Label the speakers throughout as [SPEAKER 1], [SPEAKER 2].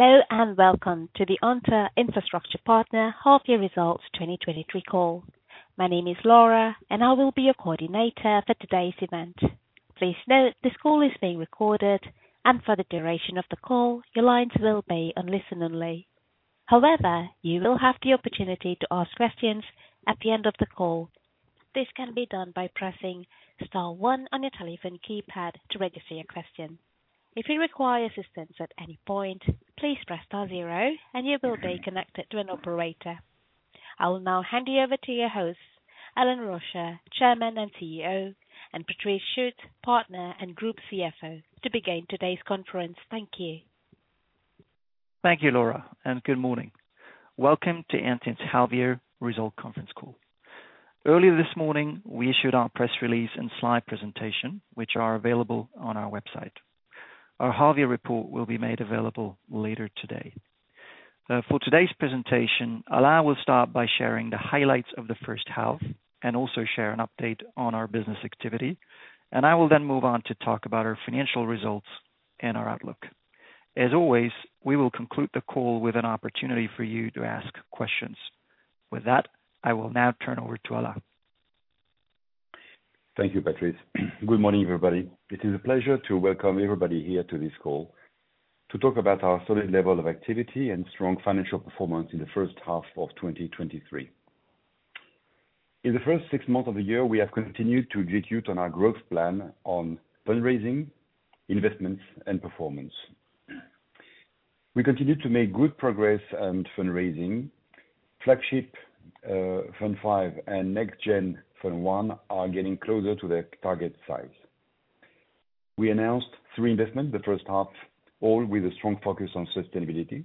[SPEAKER 1] Hello, and welcome to the Antin Infrastructure Partners half year results 2023 call. My name is Laura, and I will be your coordinator for today's event. Please note, this call is being recorded, and for the duration of the call, your lines will be on listen only. However, you will have the opportunity to ask questions at the end of the call. This can be done by pressing star one on your telephone keypad to register your question. If you require assistance at any point, please press star zero, and you will be connected to an operator. I will now hand you over to your hosts, Alain Rauscher, Chairman and CEO, and Patrice Suhl, Partner and Group CFO, to begin today's conference. Thank you.
[SPEAKER 2] Thank you, Laura. Good morning. Welcome to Antin's half year result conference call. Earlier this morning, we issued our press release and slide presentation, which are available on our website. Our half year report will be made available later today. For today's presentation, Alain will start by sharing the highlights of the first half, and also share an update on our business activity. I will then move on to talk about our financial results and our outlook. As always, we will conclude the call with an opportunity for you to ask questions. With that, I will now turn over to Alain.
[SPEAKER 3] Thank you, Patrice. Good morning, everybody. It is a pleasure to welcome everybody here to this call to talk about our solid level of activity and strong financial performance in the first half of 2023. In the first six months of the year, we have continued to execute on our growth plan on fundraising, investments, and performance. We continue to make good progress on fundraising. Flagship Fund V and NextGen Fund I are getting closer to their target size. We announced three investments in the first half, all with a strong focus on sustainability.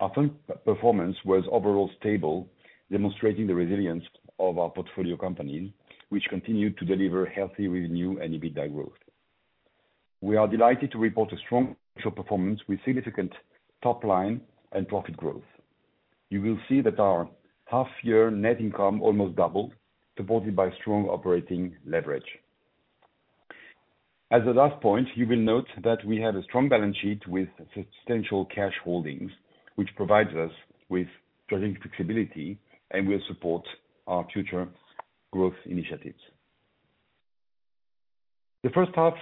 [SPEAKER 3] Our fund performance was overall stable, demonstrating the resilience of our portfolio company, which continued to deliver healthy revenue and EBITDA growth. We are delighted to report a strong financial performance with significant top line and profit growth. You will see that our half year net income almost doubled, supported by strong operating leverage. As the last point, you will note that we have a strong balance sheet with substantial cash holdings, which provides us with strategic flexibility and will support our future growth initiatives. The first half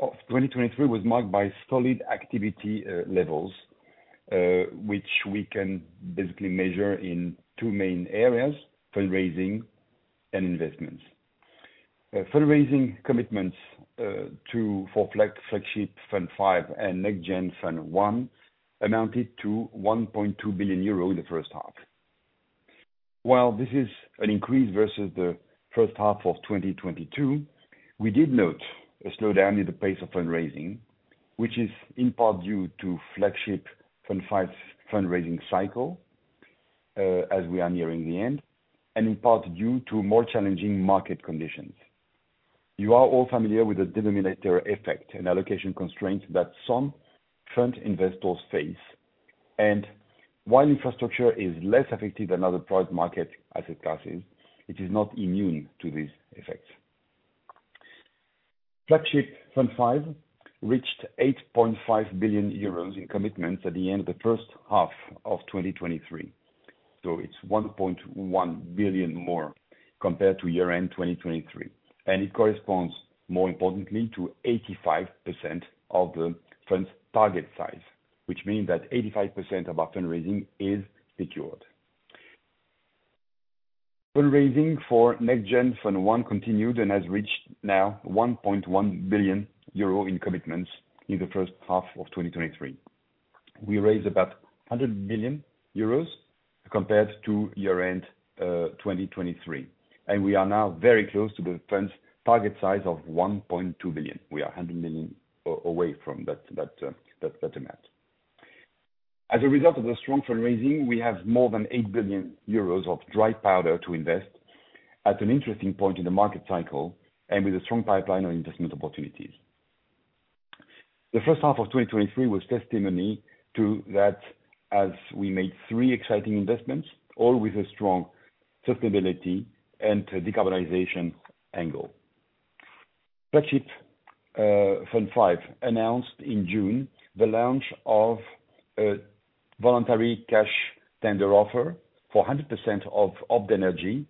[SPEAKER 3] of 2023 was marked by solid activity levels, which we can basically measure in two main areas: fundraising and investments. Fundraising commitments for Flagship Fund V and NextGen Fund I amounted to 1.2 billion euro in the first half. While this is an increase versus the first half of 2022, we did note a slowdown in the pace of fundraising, which is in part due to Flagship Fund V fundraising cycle, as we are nearing the end, and in part due to more challenging market conditions. You are all familiar with the denominator effect and allocation constraints that some fund investors face, and while infrastructure is less affected than other product market asset classes, it is not immune to these effects. Flagship Fund V reached 8.5 billion euros in commitments at the end of the first half of 2023, so it's 1.1 billion more compared to year-end 2023. It corresponds, more importantly, to 85% of the fund's target size, which means that 85% of our fundraising is secured. Fundraising for NextGen Fund I continued and has reached now 1.1 billion euro in commitments in the first half of 2023. We raised about 100 million euros compared to year-end 2023, and we are now very close to the fund's target size of 1.2 billion. We are 100 million away from that, that, that amount. As a result of the strong fundraising, we have more than 8 billion euros of dry powder to invest at an interesting point in the market cycle, and with a strong pipeline on investment opportunities. The first half of 2023 was testimony to that as we made 3 exciting investments, all with a strong sustainability and decarbonization angle. Flagship Fund V announced in June the launch of a voluntary cash tender offer for 100% of Opdenergy,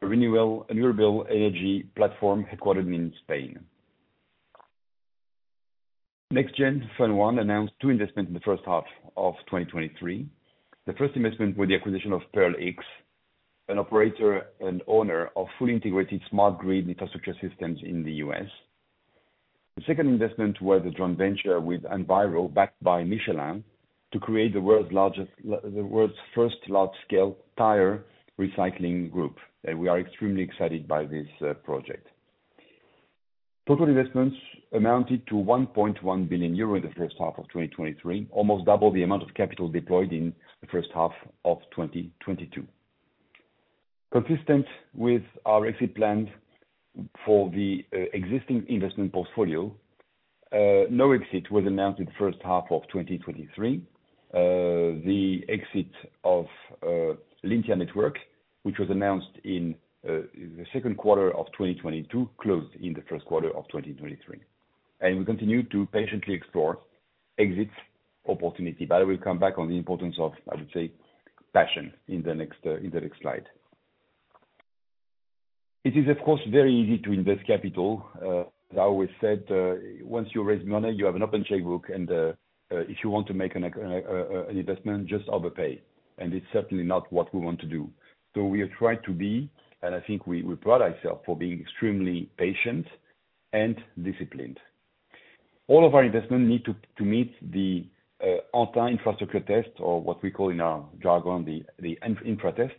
[SPEAKER 3] renewable energy platform headquartered in Spain. NextGen Fund I announced 2 investments in the first half of 2023. The first investment was the acquisition of PearlX, an operator and owner of fully integrated smart grid infrastructure systems in the U.S. The second investment was a joint venture with Enviro, backed by Michelin, to create the world's largest, the world's first large-scale tire recycling group. We are extremely excited by this project. Total investments amounted to 1.1 billion euro in the first half of 2023, almost double the amount of capital deployed in the first half of 2022. Consistent with our exit plan for the existing investment portfolio, no exit was announced in the first half of 2023. The exit of Lyntia Networks, which was announced in the second quarter of 2022, closed in the first quarter of 2023. We continue to patiently explore exit opportunity, but I will come back on the importance of, I would say, passion, in the next in the next slide. It is, of course, very easy to invest capital. As I always said, once you raise money, you have an open checkbook, and if you want to make an investment, just overpay, and it's certainly not what we want to do. We have tried to be, and I think we, we pride ourselves for being extremely patient and disciplined. All of our investment need to meet the Antin infrastructure test, or what we call in our jargon, the Infra test,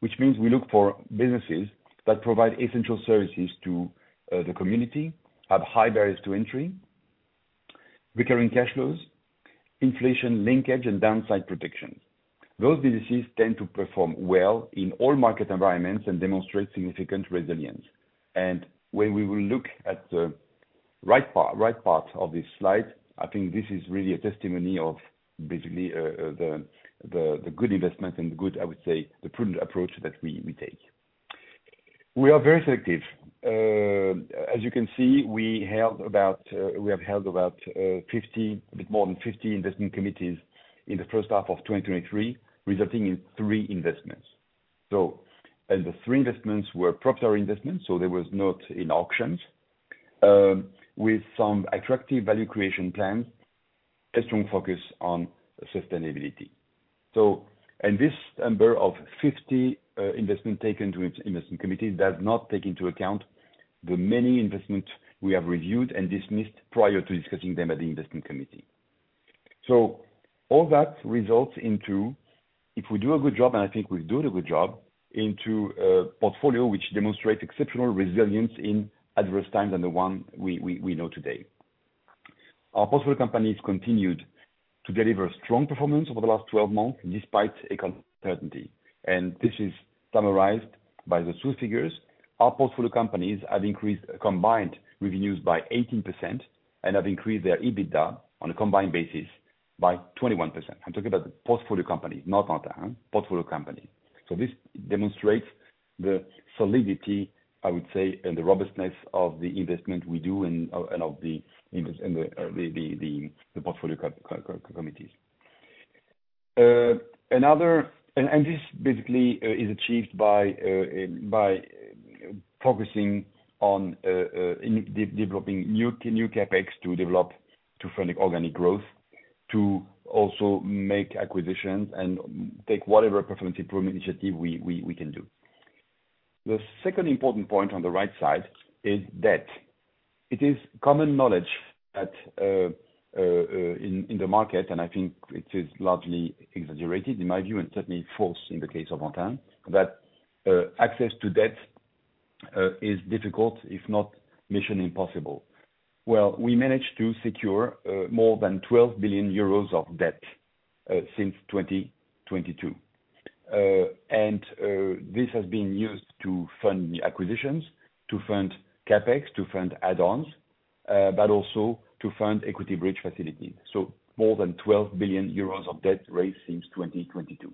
[SPEAKER 3] which means we look for businesses that provide essential services to the community, have high barriers to entry, recurring cash flows, inflation linkage, and downside protections. Those businesses tend to perform well in all market environments and demonstrate significant resilience. When we will look at the right part of this slide, I think this is really a testimony of basically the good investment and the good, I would say, the prudent approach that we take. We are very selective. As you can see, we have held about 50, a bit more than 50 investment committees in the first half of 2023, resulting in 3 investments. The 3 investments were proprietary investments, so there was not in auctions, with some attractive value creation plans, a strong focus on sustainability. This number of 50 investment taken to its investment committee does not take into account the many investment we have reviewed and dismissed prior to discussing them at the investment committee. All that results into, if we do a good job, and I think we do the good job, into a portfolio which demonstrates exceptional resilience in adverse times, and the one we, we, we know today. Our portfolio companies continued to deliver strong performance over the last 12 months, despite uncertainty. This is summarized by the 2 figures. Our portfolio companies have increased combined revenues by 18% and have increased their EBITDA on a combined basis by 21%. I'm talking about the portfolio company, not Antin, huh? Portfolio company. This demonstrates the solidity, I would say, and the robustness of the investment we do and of the portfolio companies. Another... This basically is achieved by focusing on developing new CapEx to develop, to fund organic growth, to also make acquisitions and take whatever performance improvement initiative we, we, we can do. The second important point on the right side is debt. It is common knowledge that in the market, and I think it is largely exaggerated, in my view, and certainly false in the case of Antin, that access to debt is difficult, if not mission impossible. Well, we managed to secure more than 12 billion euros of debt since 2022. This has been used to fund the acquisitions, to fund CapEx, to fund add-ons, but also to fund equity bridge facilities. More than 12 billion euros of debt raised since 2022.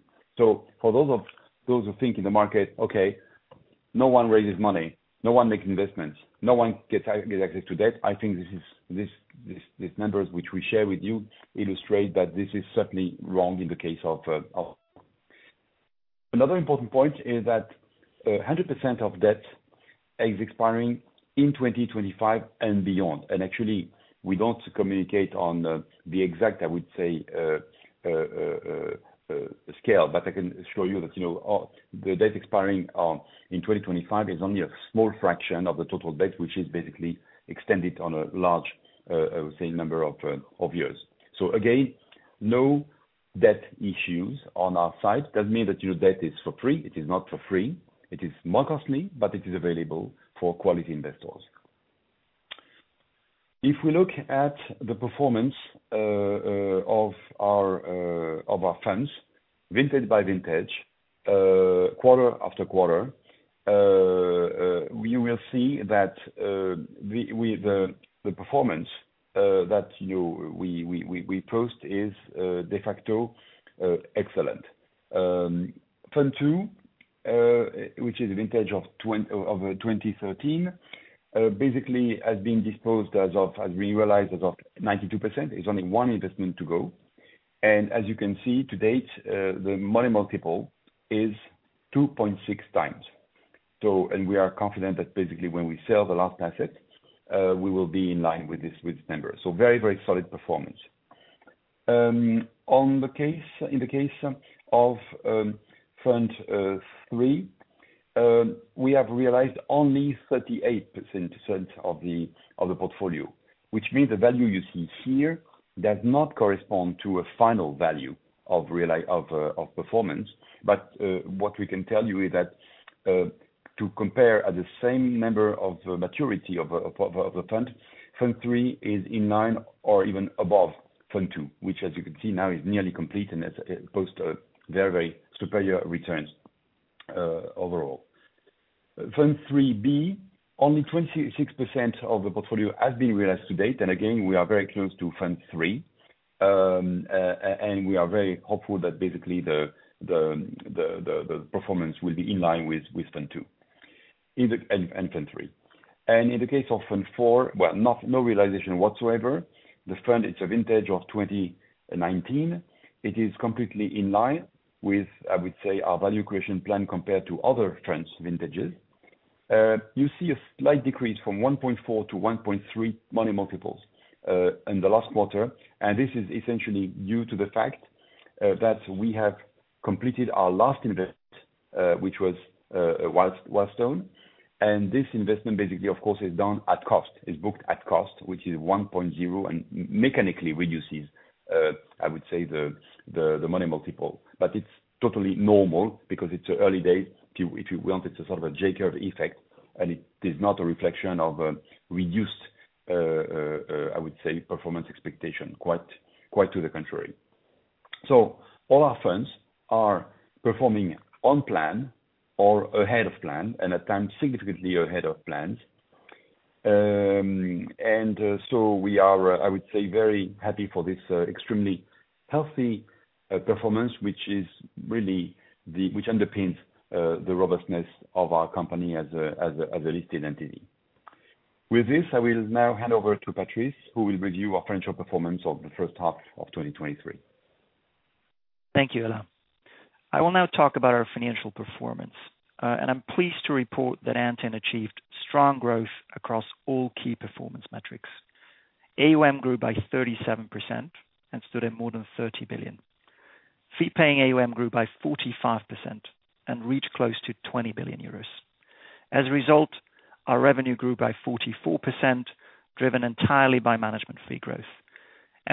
[SPEAKER 3] For those of, those who think in the market, "Okay, no one raises money, no one makes investments, no one gets get access to debt," I think this is, this, this, these numbers, which we share with you, illustrate that this is certainly wrong in the case of, of... Another important point is that 100% of debt is expiring in 2025 and beyond. Actually, we don't communicate on the, the exact, I would say, scale, but I can assure you that, you know, the debt expiring in 2025 is only a small fraction of the total debt, which is basically extended on a large, I would say, number of years. Again, no debt issues on our side. Doesn't mean that, you know, debt is for free. It is not for free. It is more costly, but it is available for quality investors. If we look at the performance of our funds, vintage by vintage, quarter after quarter, we will see that the performance that we post is de facto excellent. Fund II, which is a vintage of 2013, basically has been disposed as of 92%. It's only one investment to go. As you can see, to date, the money multiple is 2.6x. We are confident that basically, when we sell the last asset, we will be in line with this number. Very, very solid performance. on the case, in the case of Fund III, we have realized only 38% of the portfolio, which means the value you see here does not correspond to a final value of performance. what we can tell you is that to compare at the same number of maturity of the fund, Fund III is in line or even above Fund II, which, as you can see now, is nearly complete and it's, it post a very, very superior returns overall. Fund III-B, only 26% of the portfolio has been realized to date, and again, we are very close to Fund III. We are very hopeful that basically the performance will be in line with Fund II, and Fund III. In the case of Fund IV, well, not, no realization whatsoever. The fund, it's a vintage of 2019. It is completely in line with, I would say, our value creation plan compared to other trends vintages. You see a slight decrease from 1.4-1.3 money multiples in the last quarter, and this is essentially due to the fact that we have completed our last invest, which was Wildstone. This investment basically, of course, is down at cost, is booked at cost, which is 1.0, and mechanically reduces, I would say, the money multiple. It's totally normal because it's early days. If you, if you want, it's a sort of a J-curve effect, it is not a reflection of reduced, I would say, performance expectation, quite, quite to the contrary. All our funds are performing on plan or ahead of plan, and at times, significantly ahead of plans. We are, I would say, very happy for this extremely healthy performance, which underpins the robustness of our company as a, as a, as a listed entity. With this, I will now hand over to Patrice, who will review our financial performance of the first half of 2023.
[SPEAKER 2] Thank you, Alain. I will now talk about our financial performance, and I'm pleased to report that Antin achieved strong growth across all key performance metrics. AUM grew by 37% and stood at more than 30 billion. Fee-paying AUM grew by 45% and reached close to 20 billion euros. As a result, our revenue grew by 44%, driven entirely by management fee growth.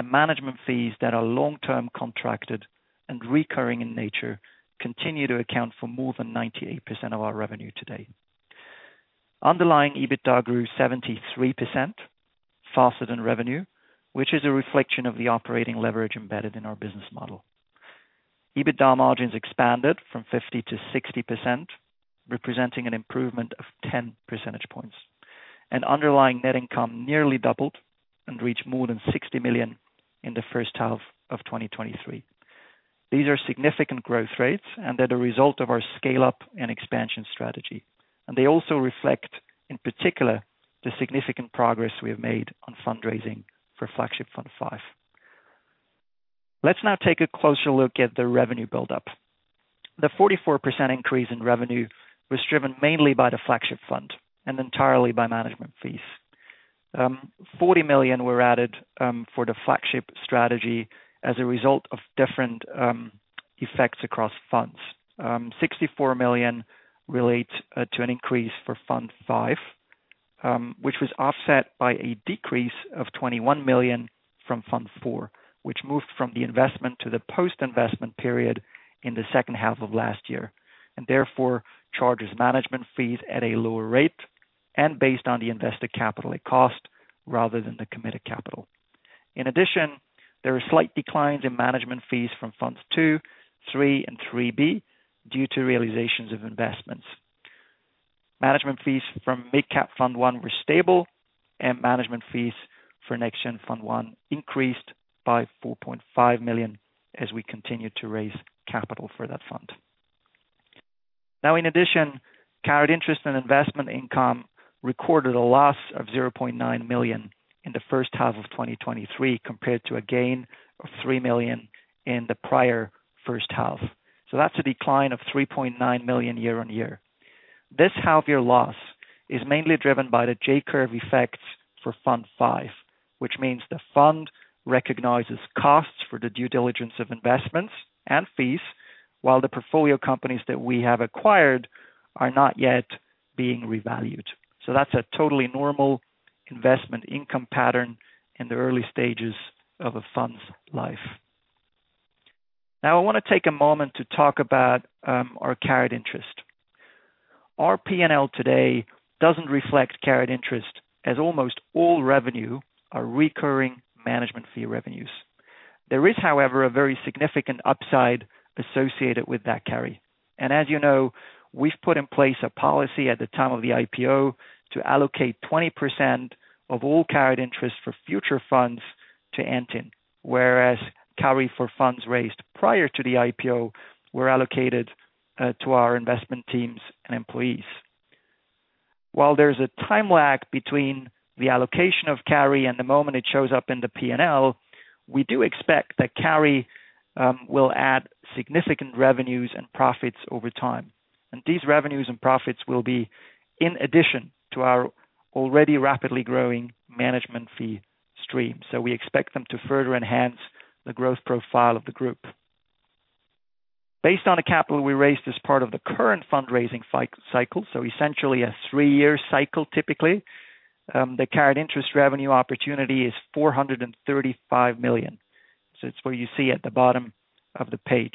[SPEAKER 2] Management fees that are long-term contracted and recurring in nature continue to account for more than 98% of our revenue today. Underlying EBITDA grew 73% faster than revenue, which is a reflection of the operating leverage embedded in our business model. EBITDA margins expanded from 50%-60%, representing an improvement of 10 percentage points, and underlying net income nearly doubled and reached more than 60 million in the first half of 2023. These are significant growth rates and are the result of our scale-up and expansion strategy, and they also reflect, in particular, the significant progress we have made on fundraising for Flagship Fund V. Let's now take a closer look at the revenue build-up. The 44% increase in revenue was driven mainly by the Flagship Fund and entirely by management fees. 40 million were added for the Flagship strategy as a result of different effects across funds. 64 million relate to an increase for Fund V, which was offset by a decrease of 21 million from Fund IV, which moved from the investment to the post-investment period in the second half of last year. Therefore, charges management fees at a lower rate and based on the invested capital it cost, rather than the committed capital. In addition, there are slight declines in management fees from Fund II, Fund III, and Fund III-B due to realizations of investments. Management fees from Mid Cap Fund I were stable, and management fees for NextGen Fund I increased by 4.5 million as we continued to raise capital for that fund. In addition, carried interest and investment income recorded a loss of 0.9 million in the first half of 2023, compared to a gain of 3 million in the prior first half. That's a decline of 3.9 million year-on-year. This half-year loss is mainly driven by the J-curve effect for Fund V, which means the fund recognizes costs for the due diligence of investments and fees, while the portfolio companies that we have acquired are not yet being revalued. That's a totally normal investment income pattern in the early stages of a fund's life. Now, I wanna take a moment to talk about our carried interest. Our P&L today doesn't reflect carried interest, as almost all revenue are recurring management fee revenues. There is, however, a very significant upside associated with that carry, and as you know, we've put in place a policy at the time of the IPO to allocate 20% of all carried interest for future funds to Antin, whereas carry for funds raised prior to the IPO were allocated to our investment teams and employees. While there's a time lag between the allocation of carry and the moment it shows up in the P&L, we do expect that carry will add significant revenues and profits over time. These revenues and profits will be in addition to our already rapidly growing management fee stream. We expect them to further enhance the growth profile of the group. Based on the capital we raised as part of the current fundraising cycle, so essentially a 3-year cycle typically, the carried interest revenue opportunity is 435 million. It's what you see at the bottom of the page.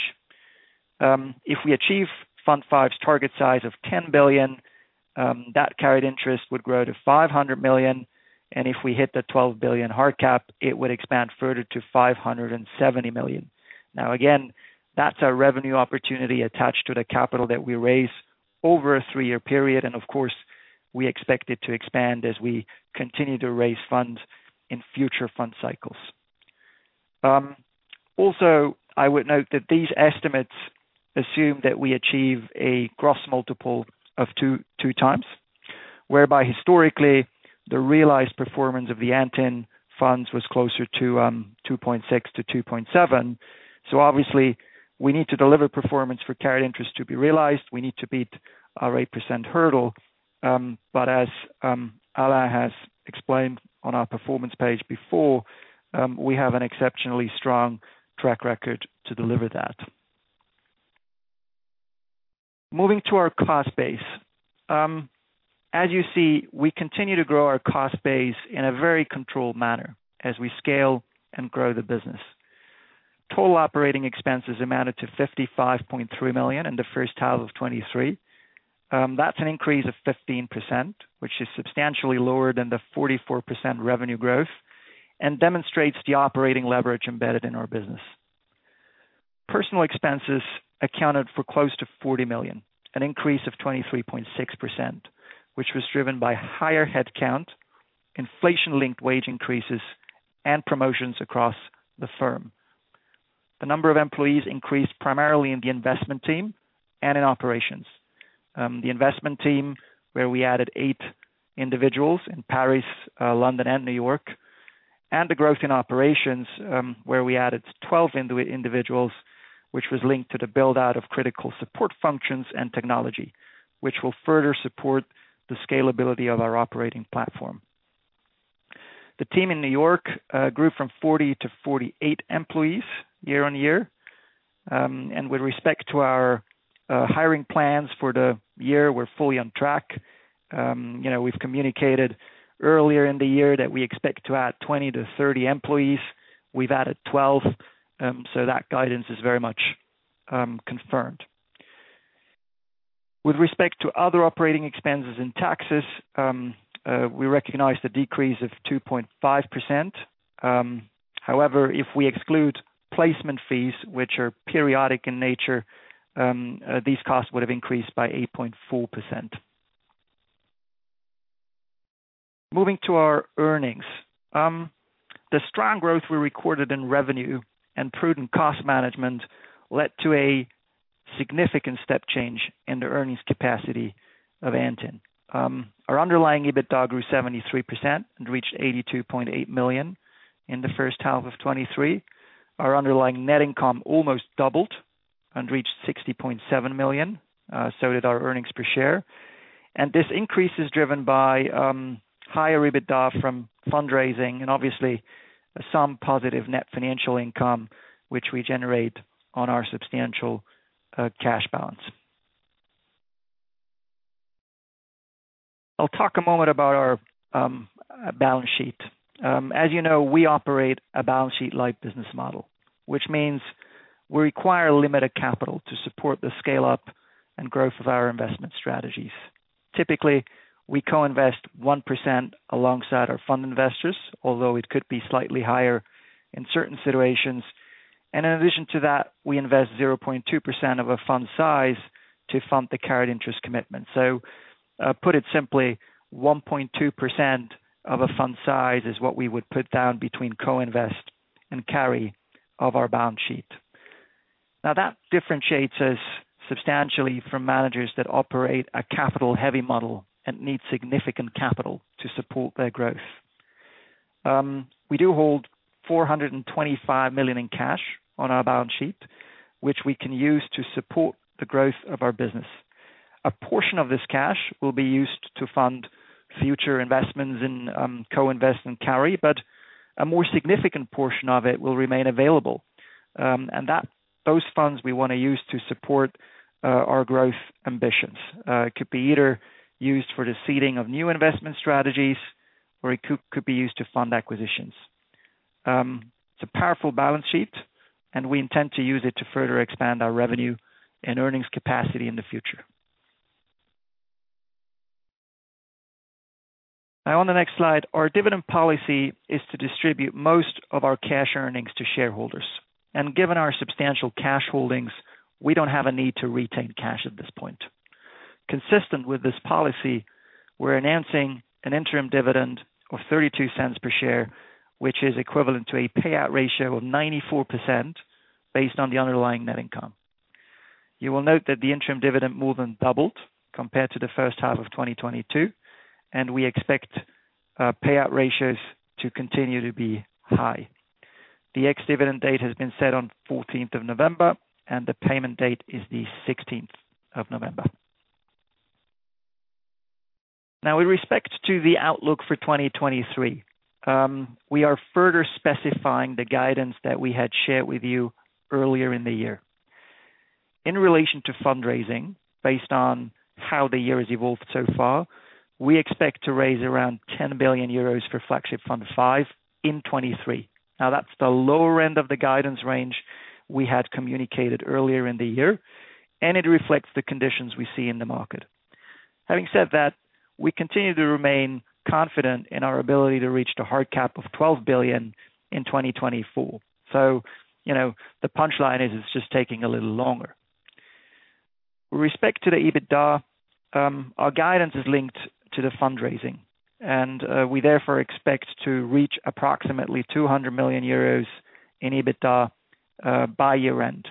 [SPEAKER 2] If we achieve Fund V's target size of 10 billion, that carried interest would grow to 500 million. If we hit the 12 billion hard cap, it would expand further to 570 million. Now again, that's a revenue opportunity attached to the capital that we raise over a 3-year period. Of course, we expect it to expand as we continue to raise funds in future fund cycles. Also, I would note that these estimates assume that we achieve a gross multiple of 2x, whereby historically the realized performance of the Antin funds was closer to 2.6-2.7. Obviously we need to deliver performance for carried interest to be realized. We need to beat our 8% hurdle. But as Alain has explained on our performance page before, we have an exceptionally strong track record to deliver that. Moving to our cost base. As you see, we continue to grow our cost base in a very controlled manner as we scale and grow the business. Total operating expenses amounted to 55.3 million in the first half of 2023. That's an increase of 15%, which is substantially lower than the 44% revenue growth, demonstrates the operating leverage embedded in our business. Personal expenses accounted for close to 40 million, an increase of 23.6%, which was driven by higher headcount, inflation-linked wage increases, and promotions across the firm. The number of employees increased primarily in the investment team and in operations. The investment team, where we added 8 individuals in Paris, London, and New York, and the growth in operations, where we added 12 individuals, which was linked to the build-out of critical support functions and technology, which will further support the scalability of our operating platform. The team in New York grew from 40 to 48 employees year-on-year. With respect to our hiring plans for the year, we're fully on track. You know, we've communicated earlier in the year that we expect to add 20 to 30 employees. We've added 12, that guidance is very much confirmed. With respect to other operating expenses and taxes, we recognize the decrease of 2.5%. However, if we exclude placement fees, which are periodic in nature, these costs would have increased by 8.4%. Moving to our earnings. The strong growth we recorded in revenue and prudent cost management led to a significant step change in the earnings capacity of Antin. Our underlying EBITDA grew 73% and reached 82.8 million in the first half of 2023. Our underlying net income almost doubled and reached 60.7 million. So did our earnings per share. This increase is driven by higher EBITDA from fundraising and obviously some positive net financial income, which we generate on our substantial cash balance. I'll talk a moment about our balance sheet. As you know, we operate a balance sheet light business model, which means we require limited capital to support the scale-up and growth of our investment strategies. Typically, we co-invest 1% alongside our fund investors, although it could be slightly higher in certain situations. In addition to that, we invest 0.2% of a fund size to fund the carried interest commitment. Put it simply, 1.2% of a fund size is what we would put down between co-invest and carry of our balance sheet. That differentiates us substantially from managers that operate a capital-heavy model and need significant capital to support thMeir growth. We do hold 425 million in cash on our balance sheet, which we can use to support the growth of our business. A portion of this cash will be used to fund future investments in co-invest and carry, but a more significant portion of it will remain available. Those funds we want to use to support our growth ambitions. It could be either used for the seeding of new investment strategies, or it could be used to fund acquisitions. It's a powerful balance sheet, and we intend to use it to further expand our revenue and earnings capacity in the future. Now, on the next slide, our dividend policy is to distribute most of our cash earnings to shareholders, and given our substantial cash holdings, we don't have a need to retain cash at this point. Consistent with this policy, we're announcing an interim dividend of 0.32 per share, which is equivalent to a payout ratio of 94% based on the underlying net income. You will note that the interim dividend more than doubled compared to the first half of 2022, we expect payout ratios to continue to be high. The ex-dividend date has been set on 14th of November, the payment date is the 16th of November. With respect to the outlook for 2023, we are further specifying the guidance that we had shared with you earlier in the year. In relation to fundraising, based on how the year has evolved so far, we expect to raise around 10 billion euros for Flagship Fund V in 2023. That's the lower end of the guidance range we had communicated earlier in the year. It reflects the conditions we see in the market. Having said that, we continue to remain confident in our ability to reach the hard cap of 12 billion in 2024. You know, the punchline is, it's just taking a little longer. With respect to the EBITDA, our guidance is linked to the fundraising, we therefore expect to reach approximately 200 million euros in EBITDA by year-end,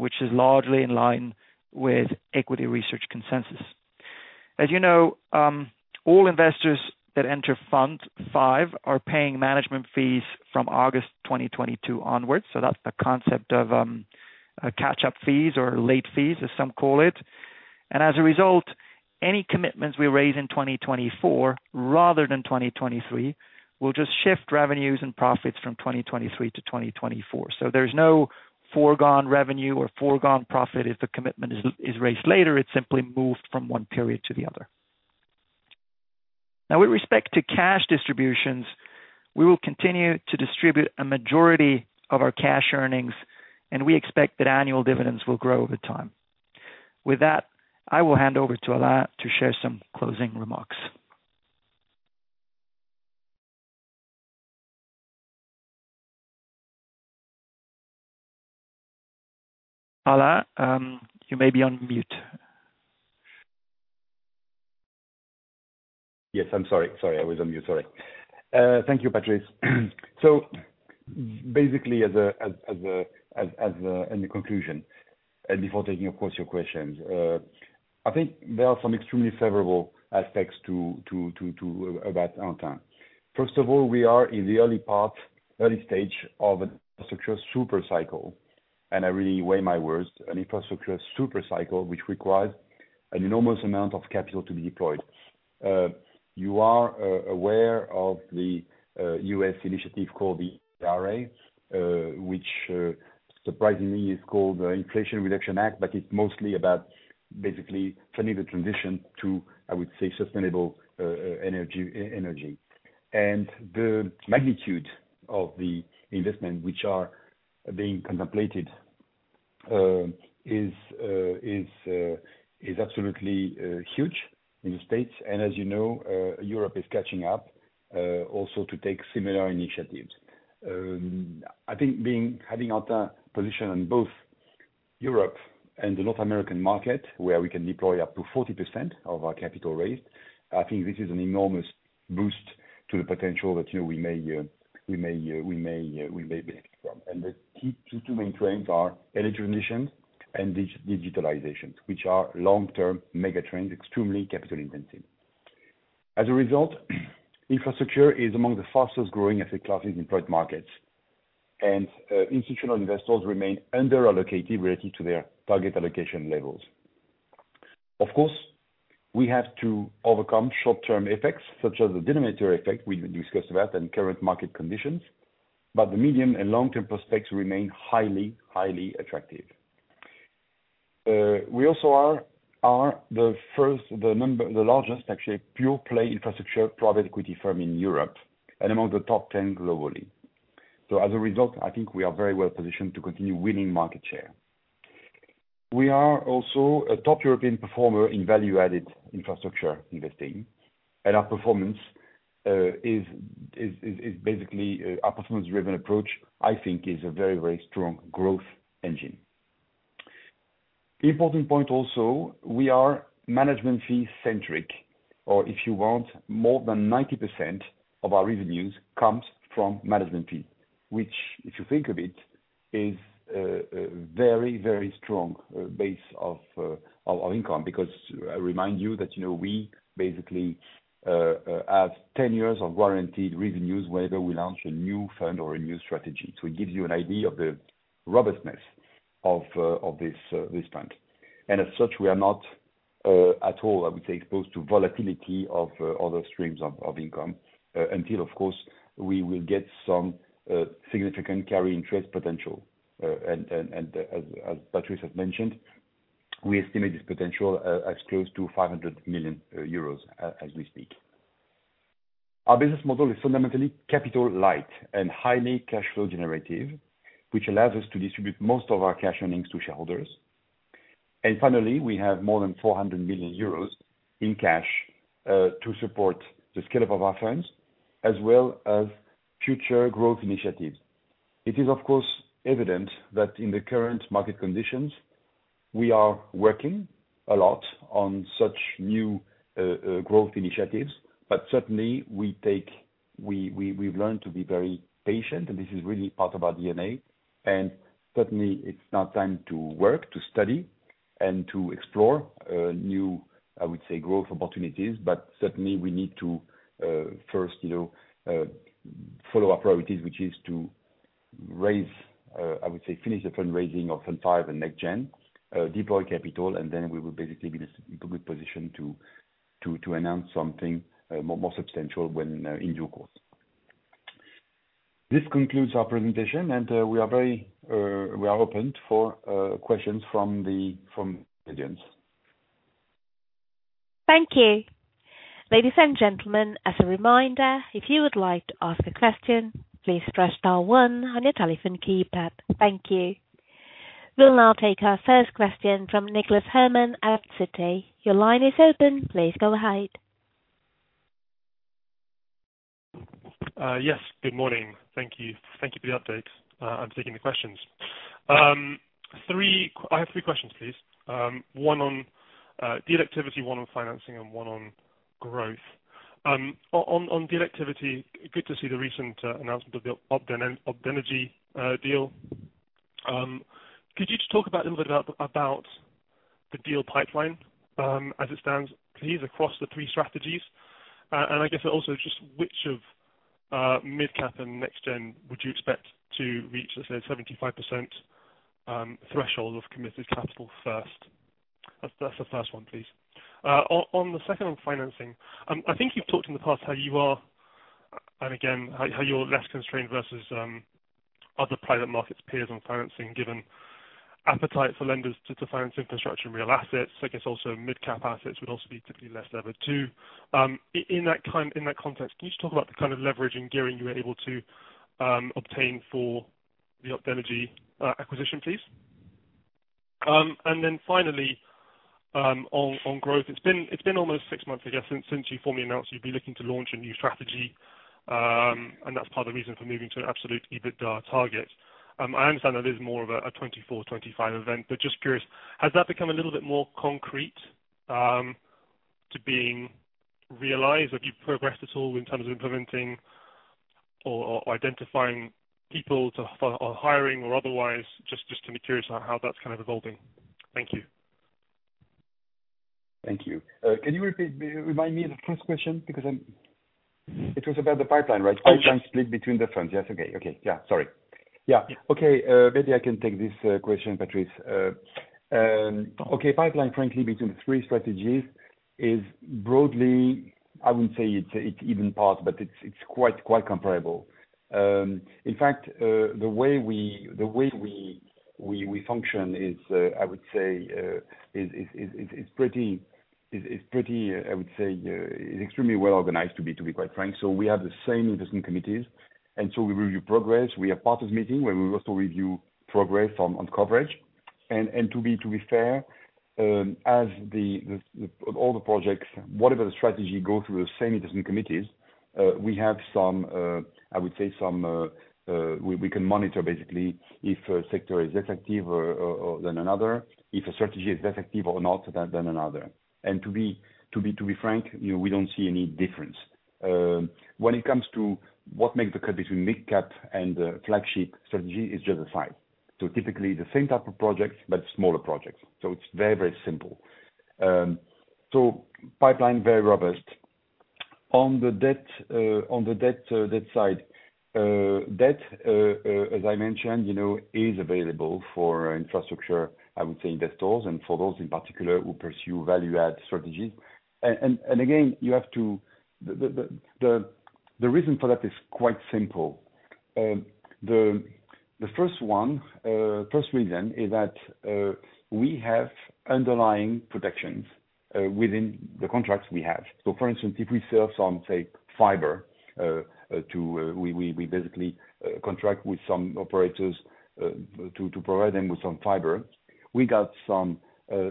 [SPEAKER 2] which is largely in line with equity research consensus. As you know, all investors that enter Fund V are paying management fees from August 2022 onwards, so that's the concept of a catch-up fees or late fees, as some call it. As a result, any commitments we raise in 2024, rather than 2023, will just shift revenues and profits from 2023 to 2024. There's no foregone revenue or foregone profit if the commitment is, is raised later, it's simply moved from one period to the other. Now, with respect to cash distributions, we will continue to distribute a majority of our cash earnings, and we expect that annual dividends will grow over time. With that, I will hand over to Alain, to share some closing remarks. Alain, you may be on mute.
[SPEAKER 3] Yes, I'm sorry. Sorry, I was on mute. Sorry. Thank you, Patrice. Basically, in the conclusion, and before taking, of course, your questions. I think there are some extremely favorable aspects about Antin. First of all, we are in the early part, early stage of an infrastructure super cycle, and I really weigh my words. An infrastructure super cycle, which requires an enormous amount of capital to be deployed. You are aware of the U.S. initiative called the IRA, which surprisingly is called the Inflation Reduction Act, but it's mostly about basically funding the transition to, I would say, sustainable energy, e-energy. The magnitude of the investment which are being contemplated is absolutely huge in the States. As you know, Europe is catching up also to take similar initiatives. I think being, having Antin position in both Europe and the North American market, where we can deploy up to 40% of our capital raised, I think this is an enormous boost to the potential that, you know, we may benefit from. The key two main trends are energy transition and digitalization, which are long-term mega trends, extremely capital intensive. As a result, infrastructure is among the fastest growing asset classes in private markets, and institutional investors remain under-allocated relative to their target allocation levels. Of course, we have to overcome short-term effects, such as the denominator effect, we discussed that, and current market conditions, but the medium and long-term prospects remain highly, highly attractive. We also are the largest actually, pure-play infrastructure private equity firm in Europe, and among the top 10 globally. As a result, I think we are very well positioned to continue winning market share. We are also a top European performer in value-added infrastructure investing, and our performance is basically a performance-driven approach, I think is a very, very strong growth engine. Important point also, we are management fee centric, or if you want, more than 90% of our revenues comes from management fee. Which, if you think of it, is a very, very strong base of income. Because I remind you that, you know, we basically have 10 years of guaranteed revenues, whether we launch a new fund or a new strategy. To give you an idea of the robustness of this fund. As such, we are not at all, I would say, exposed to volatility of other streams of income until of course, we will get some significant carried interest potential. As Patrice has mentioned, we estimate this potential as close to 500 million euros as we speak. Our business model is fundamentally capital light and highly cash flow generative, which allows us to distribute most of our cash earnings to shareholders. Finally, we have more than 400 million euros in cash to support the scale-up of our funds, as well as future growth initiatives. It is, of course, evident that in the current market conditions, we are working a lot on such new growth initiatives, but certainly we take... we, we, we've learned to be very patient, and this is really part of our DNA, and certainly it's not time to work, to study, and to explore new, I would say, growth opportunities. Certainly we need to first, you know, follow our priorities, which is to raise, I would say finish the fundraising of Fund V and NextGen, deploy capital, and then we will basically be in a good position to, to, to announce something more, more substantial when in due course. This concludes our presentation, and we are very, we are open for questions from the, from the audience.
[SPEAKER 1] Thank you. Ladies and gentlemen, as a reminder, if you would like to ask a question, please press star 1 on your telephone keypad. Thank you. We'll now take our first question from Nicholas Herman at Citi. Your line is open. Please go ahead.
[SPEAKER 4] Yes, good morning. Thank you. Thank you for the update. I'm taking the questions. I have 3 questions, please. One on deal activity, one on financing, and one on growth. On deal activity, good to see the recent announcement of the Opdenergy deal. Could you just talk about, a little bit about, about the deal pipeline, as it stands, please, across the three strategies? I guess also just which of Mid-Cap and NextGen would you expect to reach, let's say, 75% threshold of committed capital first? That's, that's the first one, please. On, on the second one, financing, I think you've talked in the past how you are, and again, how, how you're less constrained versus other private markets peers on financing, given appetite for lenders to, to finance infrastructure and real assets. I guess also mid-cap assets would also be typically less levered too. In that context, can you just talk about the kind of leverage and gearing you were able to obtain for the Opdenergy acquisition, please? Finally, on, on growth. It's been, it's been almost six months, I guess, since, since you formally announced you'd be looking to launch a new strategy, and that's part of the reason for moving to an absolute EBITDA target. I understand that is more of 2024, 2025 event, but just curious, has that become a little bit more concrete to being realized, or have you progressed at all in terms of implementing or, or identifying people to for, or hiring or otherwise? Just to be curious on how that's kind of evolving. Thank you.
[SPEAKER 3] Thank you. Can you repeat, remind me of the first question? Because I'm. It was about the pipeline, right?
[SPEAKER 4] Oh, yeah.
[SPEAKER 3] Pipeline split between the funds. Yes. Okay. Okay. Yeah. Sorry.
[SPEAKER 4] Yeah.
[SPEAKER 3] Okay. Maybe I can take this question, Patrice. Okay, pipeline, frankly, between the three strategies is broadly, I wouldn't say it's, it's even part, but it's, it's quite, quite comparable. In fact, the way we, the way we, we, we function is, I would say, is extremely well organized, to be quite frank. We have the same investment committees, and we review progress. We have partners meeting, where we also review progress on, on coverage. To be, to be fair, as all the projects, whatever the strategy, go through the same investment committees, we have some, I would say some, we, we can monitor basically if a sector is less active or than another, if a strategy is less active or not than, than another. To be, to be, to be frank, you know, we don't see any difference. When it comes to what makes the cut between mid-cap and the flagship strategy, it's just the size. Typically the same type of projects, but smaller projects, it's very, very simple. Pipeline, very robust. On the debt side, as I mentioned, you know, is available for infrastructure, I would say, investors, and for those in particular who pursue value-add strategies. Again, you have to... The reason for that is quite simple. The first one, first reason is that we have underlying protections within the contracts we have. For instance, if we sell some, say, fiber to, we basically contract with some operators to provide them with some fiber. We got some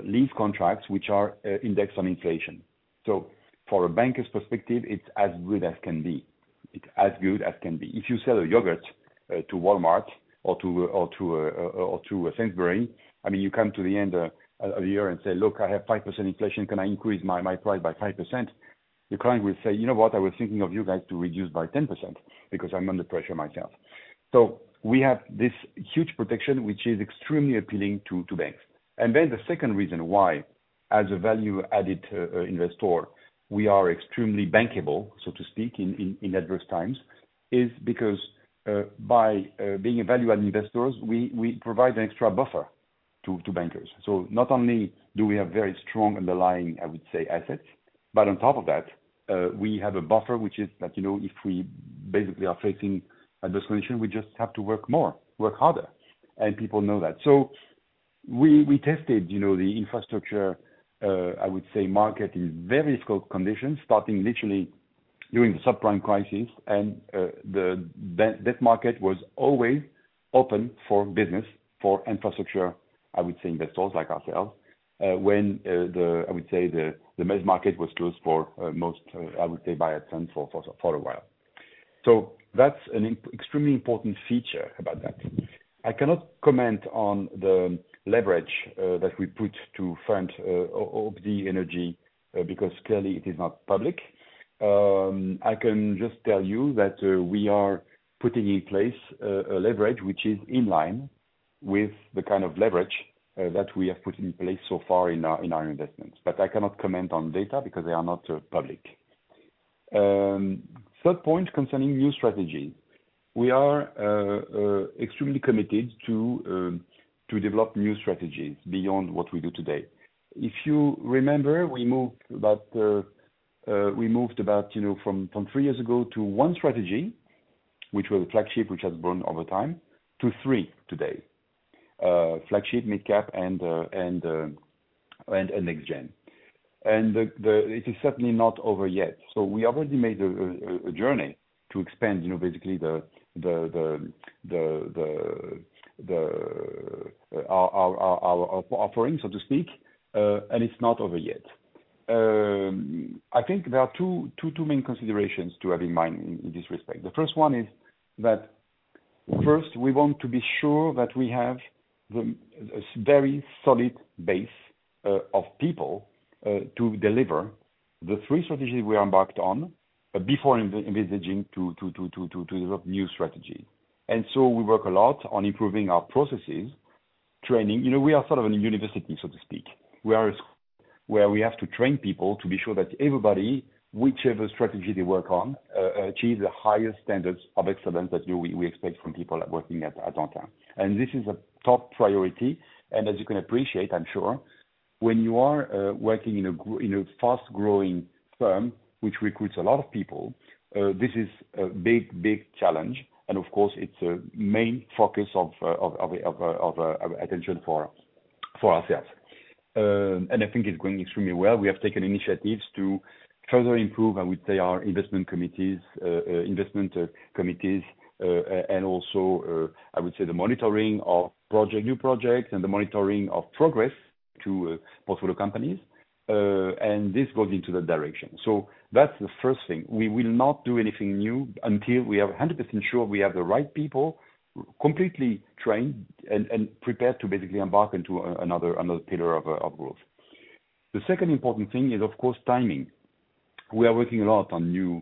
[SPEAKER 3] lease contracts which are indexed on inflation. So for a banker's perspective, it's as good as can be. It's as good as can be. If you sell a yogurt to Walmart or to a, or to a, or to a Sainsbury's, I mean, you come to the end of the year and say, "Look, I have 5% inflation. Can I increase my, my price by 5%?" The client will say, "You know what? I was thinking of you guys to reduce by 10%, because I'm under pressure myself." We have this huge protection, which is extremely appealing to banks. Then the second reason why, as a value-added investor, we are extremely bankable, so to speak, in, in, in adverse times, is because by being a value-added investors, we, we provide an extra buffer to bankers. Not only do we have very strong underlying, I would say, assets, but on top of that, we have a buffer, which is that, you know, if we basically are facing adverse condition, we just have to work more, work harder, and people know that. We, we tested, you know, the infrastructure, I would say, market in very scope conditions, starting literally during the subprime crisis. The bank, that market was always open for business, for infrastructure, I would say, investors like ourselves, when the, I would say the, the main market was closed for most, I would say, by attend for a while. That's an extremely important feature about that. I cannot comment on the leverage that we put to front of the energy because clearly it is not public. I can just tell you that we are putting in place a leverage which is in line with the kind of leverage that we have put in place so far in our, in our investments, but I cannot comment on data because they are not public. Third point, concerning new strategy. We are extremely committed to develop new strategies beyond what we do today. If you remember, we moved about, you know, from 3 years ago to 1 strategy, which was a Flagship, which has grown over time, to 3 today. Flagship Mid Cap and and and and NextGen. The, the, it is certainly not over yet. We already made a journey to expand, you know, basically the our offering, so to speak, and it's not over yet. I think there are two main considerations to have in mind in this respect. The first one is that, first, we want to be sure that we have a very solid base of people to deliver the three strategies we embarked on, before envisaging to develop new strategy. We work a lot on improving our processes, training. You know, we are sort of a university, so to speak, where we have to train people to be sure that everybody, whichever strategy they work on, achieve the highest standards of excellence that, you know, we, we expect from people working at Antin. This is a top priority, and as you can appreciate, I'm sure, when you are working in a fast-growing firm, which recruits a lot of people, this is a big, big challenge, and of course, it's a main focus of attention for ourselves. I think it's going extremely well. We have taken initiatives to further improve, I would say, our investment committees, investment committees, and also, I would say, the monitoring of new projects, and the monitoring of progress to portfolio companies, and this goes into that direction. That's the first thing. We will not do anything new until we are 100% sure we have the right people, completely trained and, and prepared to basically embark into another, another pillar of growth. The second important thing is, of course, timing. We are working a lot on new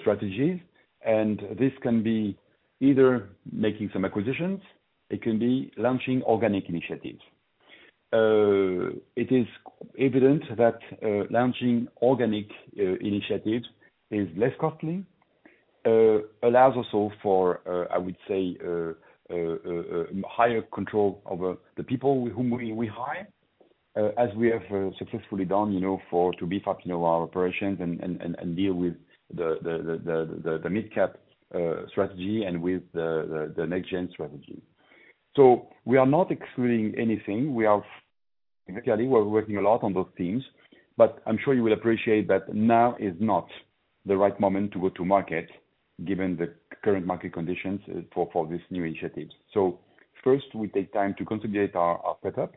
[SPEAKER 3] strategies, and this can be either making some acquisitions, it can be launching organic initiatives. It is evident that launching organic initiatives is less costly, allows also for, I would say, higher control over the people whom we, we hire, as we have successfully done, you know, for, to beef up, you know, our operations and, and, and, and deal with the, the, the, the, the mid-cap strategy and with the, the, the NextGen strategy. We are not excluding anything. We are actually, we're working a lot on those things, but I'm sure you will appreciate that now is not the right moment to go to market, given the current market conditions for, for this new initiative. First, we take time to consolidate our, our setup,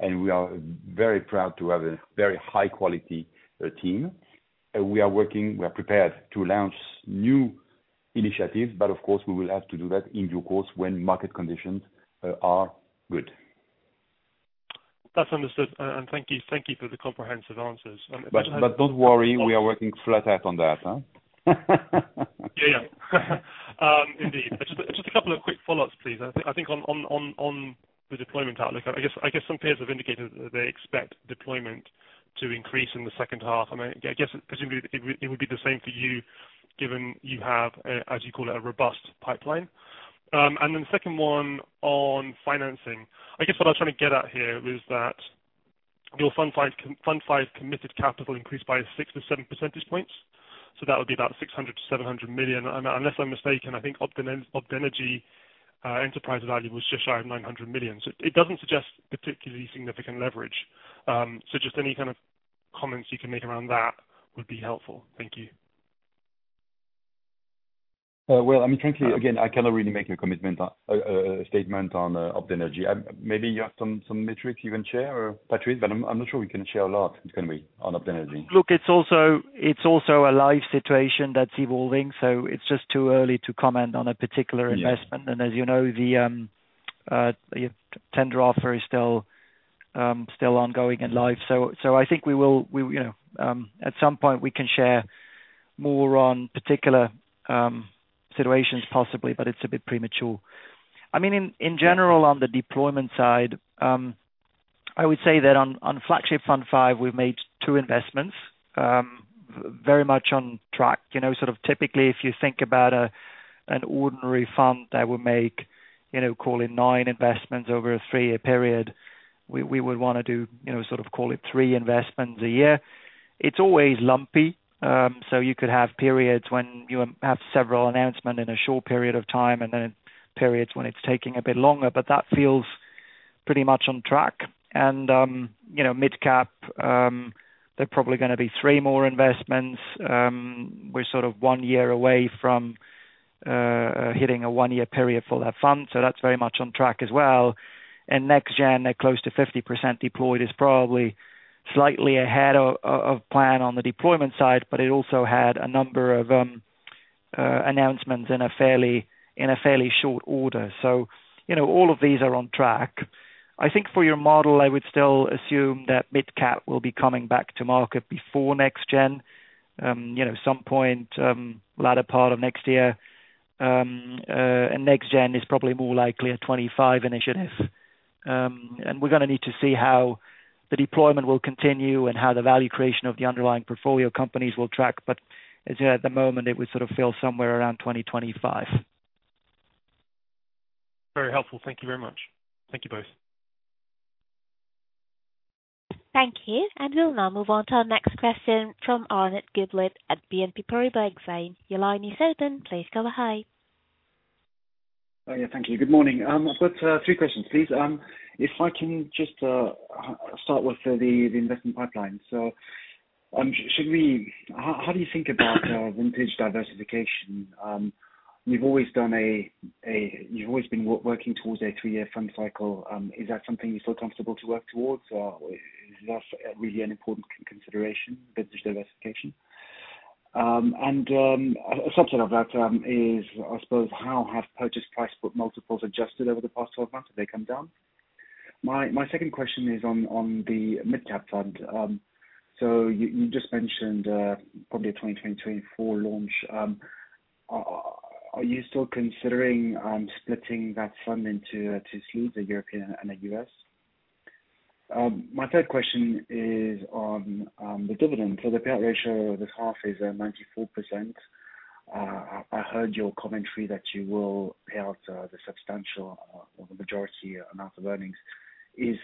[SPEAKER 3] and we are very proud to have a very high quality team. We are working... We are prepared to launch new initiatives, but of course, we will have to do that in due course when market conditions are good.
[SPEAKER 4] That's understood. Thank you, and thank you for the comprehensive answers.
[SPEAKER 3] Don't worry, we are working flat out on that, huh?
[SPEAKER 4] Yeah. Yeah. Indeed. Just, just a couple of quick follow-ups, please. I think, I think on, on, on, on the deployment outlook, I guess, I guess some peers have indicated that they expect deployment to increase in the second half. I mean, I guess, presumably, it would, it would be the same for you, given you have, as you call it, a robust pipeline. Then the second one on financing. I guess what I was trying to get at here is that your Fund V, Fund V's committed capital increased by 6-7 percentage points, so that would be about 600 million-700 million. Unless I'm mistaken, I think Opdenergy enterprise value was just shy of 900 million. It doesn't suggest particularly significant leverage. Just any kind of comments you can make around that would be helpful. Thank you.
[SPEAKER 3] Well, I mean, frankly, again, I cannot really make a commitment, a statement on Opdenergy. Maybe you have some, some metrics you can share, or Patrice, but I'm not sure we can share a lot, it's gonna be on Opdenergy.
[SPEAKER 2] Look, it's also, it's also a live situation that's evolving, so it's just too early to comment on a particular investment.
[SPEAKER 3] Yeah.
[SPEAKER 2] As you know, the tender offer is still ongoing and live. I think we will, we, you know, at some point, we can share more on particular situations, possibly, but it's a bit premature. I mean, in general, on the deployment side, I would say that on Flagship Fund V, we've made 2 investments. Very much on track, you know, sort of typically, if you think about an ordinary fund that would make, you know, call it 9 investments over a 3-year period, we, we would wanna do, you know, sort of call it 3 investments a year. It's always lumpy. So you could have periods when you have several announcement in a short period of time, and then periods when it's taking a bit longer, but that feels pretty much on track. You know, Mid Cap, they're probably gonna be 3 more investments. We're sort of 1 year away from hitting a 1-year period for that fund, so that's very much on track as well. NextGen, they're close to 50% deployed, is probably slightly ahead of plan on the deployment side, but it also had a number of announcements in a fairly, in a fairly short order. You know, all of these are on track. I think for your model, I would still assume that Mid Cap will be coming back to market before NextGen. You know, some point, latter part of next year. And NextGen is probably more likely a 2025 initiative. We're gonna need to see how the deployment will continue, and how the value creation of the underlying portfolio companies will track. As you know, at the moment, it would sort of feel somewhere around 2025.
[SPEAKER 4] Very helpful. Thank you very much. Thank you both....
[SPEAKER 1] Thank you. We'll now move on to our next question from Arnaud Giblat at BNP Paribas. Your line is open. Please go ahead.
[SPEAKER 5] Yeah, thank you. Good morning. I've got three questions, please. If I can just start with the investment pipeline. How do you think about vintage diversification? You've always been working towards a three-year fund cycle. Is that something you feel comfortable to work towards, or is that really an important consideration, vintage diversification? A subset of that, is, I suppose, how have purchase price book multiples adjusted over the past 12 months? Have they come down? My second question is on the Mid Cap Fund. You just mentioned probably a 2024 launch. Are you still considering splitting that fund into two sleeves, a European and a U.S.? My third question is on the dividend. The payout ratio this half is 94%. I, I heard your commentary that you will pay out the substantial or, or the majority amount of earnings. Is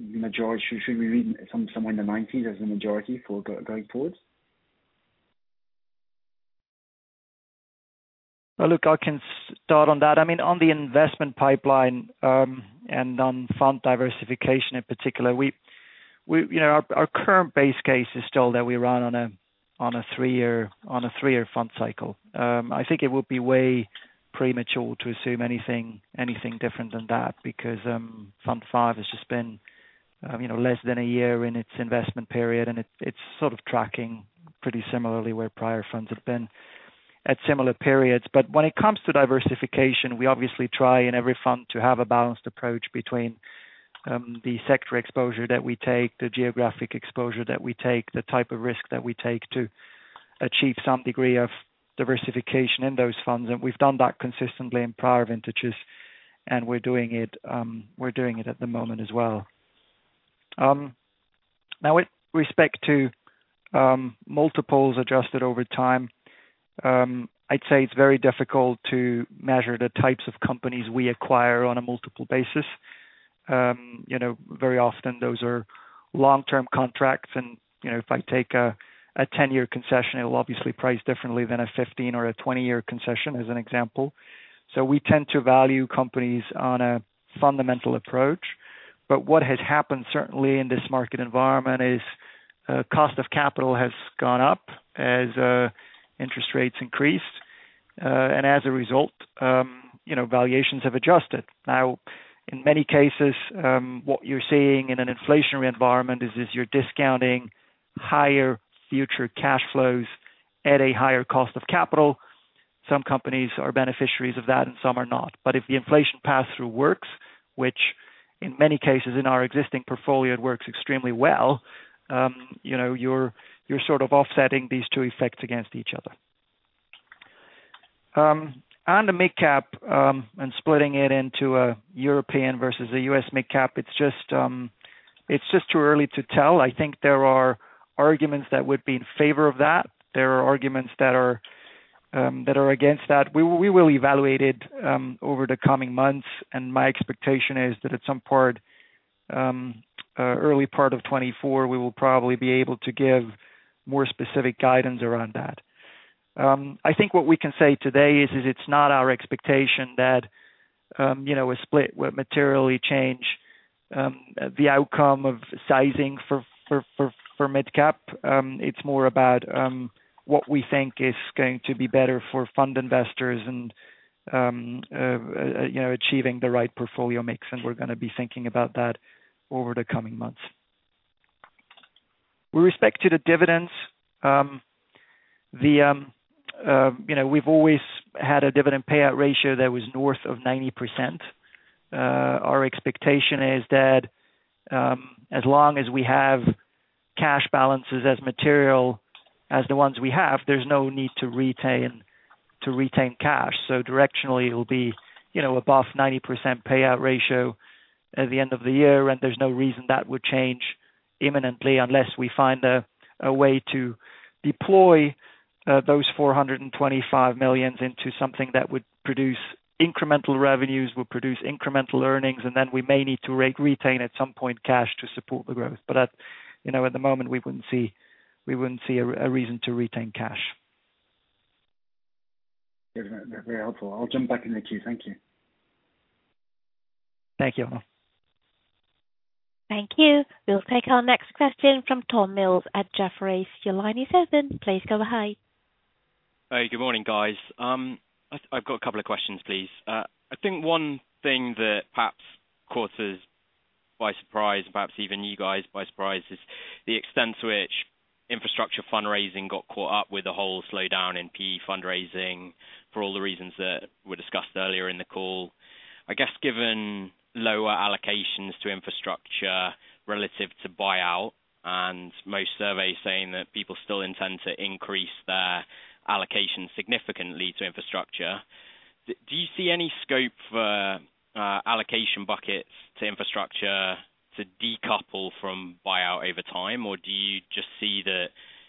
[SPEAKER 5] majority, should we read somewhere in the 90s as the majority for going forward?
[SPEAKER 2] Well, look, I can start on that. I mean, on the investment pipeline, and on fund diversification in particular, we, we, you know, our, our current base case is still that we run on a, on a three-year, on a three-year fund cycle. I think it would be way premature to assume anything, anything different than that, because Fund V has just been, you know, less than one year in its investment period, and it, it's sort of tracking pretty similarly where prior funds have been at similar periods. When it comes to diversification, we obviously try in every fund to have a balanced approach between the sector exposure that we take, the geographic exposure that we take, the type of risk that we take to achieve some degree of diversification in those funds. We've done that consistently in prior vintages, and we're doing it, we're doing it at the moment as well. Now with respect to, multiples adjusted over time, I'd say it's very difficult to measure the types of companies we acquire on a multiple basis. You know, very often those are long-term contracts, and, you know, if I take a 10-year concession, it will obviously price differently than a 15 or a 20-year concession, as an example. We tend to value companies on a fundamental approach. What has happened, certainly in this market environment, is cost of capital has gone up as interest rates increased. As a result, you know, valuations have adjusted. Now, in many cases, what you're seeing in an inflationary environment is, is you're discounting higher future cash flows at a higher cost of capital. Some companies are beneficiaries of that, and some are not. If the inflation pass-through works, which in many cases in our existing portfolio, it works extremely well, you know, you're, you're sort of offsetting these two effects against each other. On the mid-cap, and splitting it into a European versus a U.S. mid-cap, it's just, it's just too early to tell. I think there are arguments that would be in favor of that. There are arguments that are, that are against that. We w- we will evaluate it over the coming months, and my expectation is that at some part, early part of 2024, we will probably be able to give more specific guidance around that. I think what we can say today is, is it's not our expectation that, you know, a split would materially change the outcome of sizing for, for, for, for mid-cap. It's more about what we think is going to be better for fund investors and, you know, achieving the right portfolio mix, and we're gonna be thinking about that over the coming months. With respect to the dividends, the, you know, we've always had a dividend payout ratio that was north of 90%. Our expectation is that, as long as we have cash balances as material, as the ones we have, there's no need to retain, to retain cash. Directionally, it'll be, you know, above 90% payout ratio at the end of the year, and there's no reason that would change imminently, unless we find a, a way to deploy those 425 million into something that would produce incremental revenues, would produce incremental earnings, and then we may need to re-retain, at some point, cash to support the growth. At, you know, at the moment, we wouldn't see, we wouldn't see a, a reason to retain cash.
[SPEAKER 5] Yeah. That's very helpful. I'll jump back in the queue. Thank you.
[SPEAKER 2] Thank you.
[SPEAKER 1] Thank you. We'll take our next question from Tom Mills at Jefferies. Your line is open. Please go ahead.
[SPEAKER 6] Good morning, guys. I've got a couple of questions, please. I think one thing that perhaps caught us by surprise, perhaps even you guys by surprise, is the extent to which infrastructure fundraising got caught up with the whole slowdown in PE fundraising, for all the reasons that were discussed earlier in the call. I guess, given lower allocations to infrastructure relative to buyout, and most surveys saying that people still intend to increase their allocation significantly to infrastructure, do you see any scope for allocation buckets to infrastructure to decouple from buyout over time, or do you...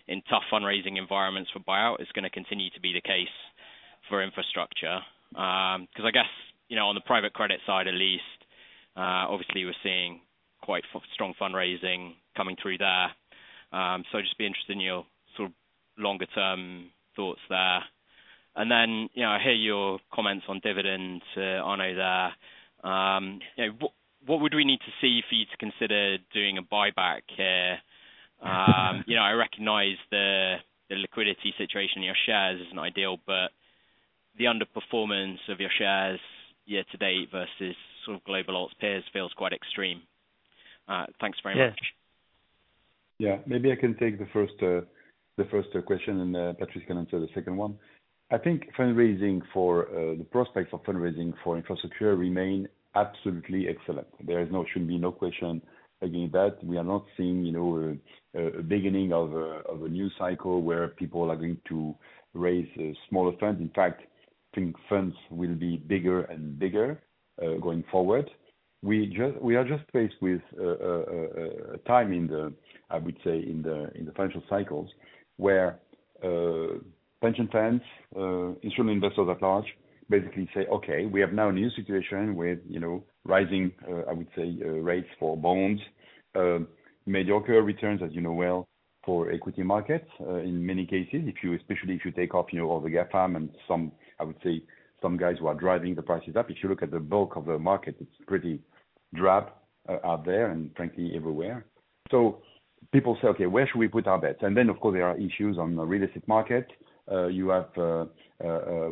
[SPEAKER 6] in tough fundraising environments for buyout is gonna continue to be the case for infrastructure? 'Cause I guess, you know, on the private credit side, at least, obviously we're seeing quite strong fundraising coming through there. Just be interested in your sort of longer-term thoughts there. Then, you know, I hear your comments on dividends on there. You know, what would we need to see for you to consider doing a buyback here? You know, I recognize the liquidity situation in your shares isn't ideal, but the underperformance of your shares year-to-date versus sort of global alts peers feels quite extreme. Thanks very much.
[SPEAKER 2] Yeah.
[SPEAKER 3] Yeah. Maybe I can take the first, the first, question, and Patrice can answer the second one. I think fundraising for, the prospects for fundraising for infrastructure remain absolutely excellent. There is no, should be no question again, that we are not seeing, you know, a, a beginning of a, of a new cycle where people are going to raise smaller funds. In fact, I think funds will be bigger and bigger, going forward. We just, we are just faced with a time in the, I would say, in the, in the financial cycles, where pension funds, instrument investors at large basically say, "Okay, we have now a new situation with, you know, rising, I would say, rates for bonds." Mediocre returns as you know well for equity markets, in many cases, especially, if you take off, you know, all the GAFAM and some, I would say some guys who are driving the prices up. If you look at the bulk of the market, it's pretty drab out there, and frankly, everywhere. People say, "Okay, where should we put our bets?" Then, of course, there are issues on the real estate market. You have,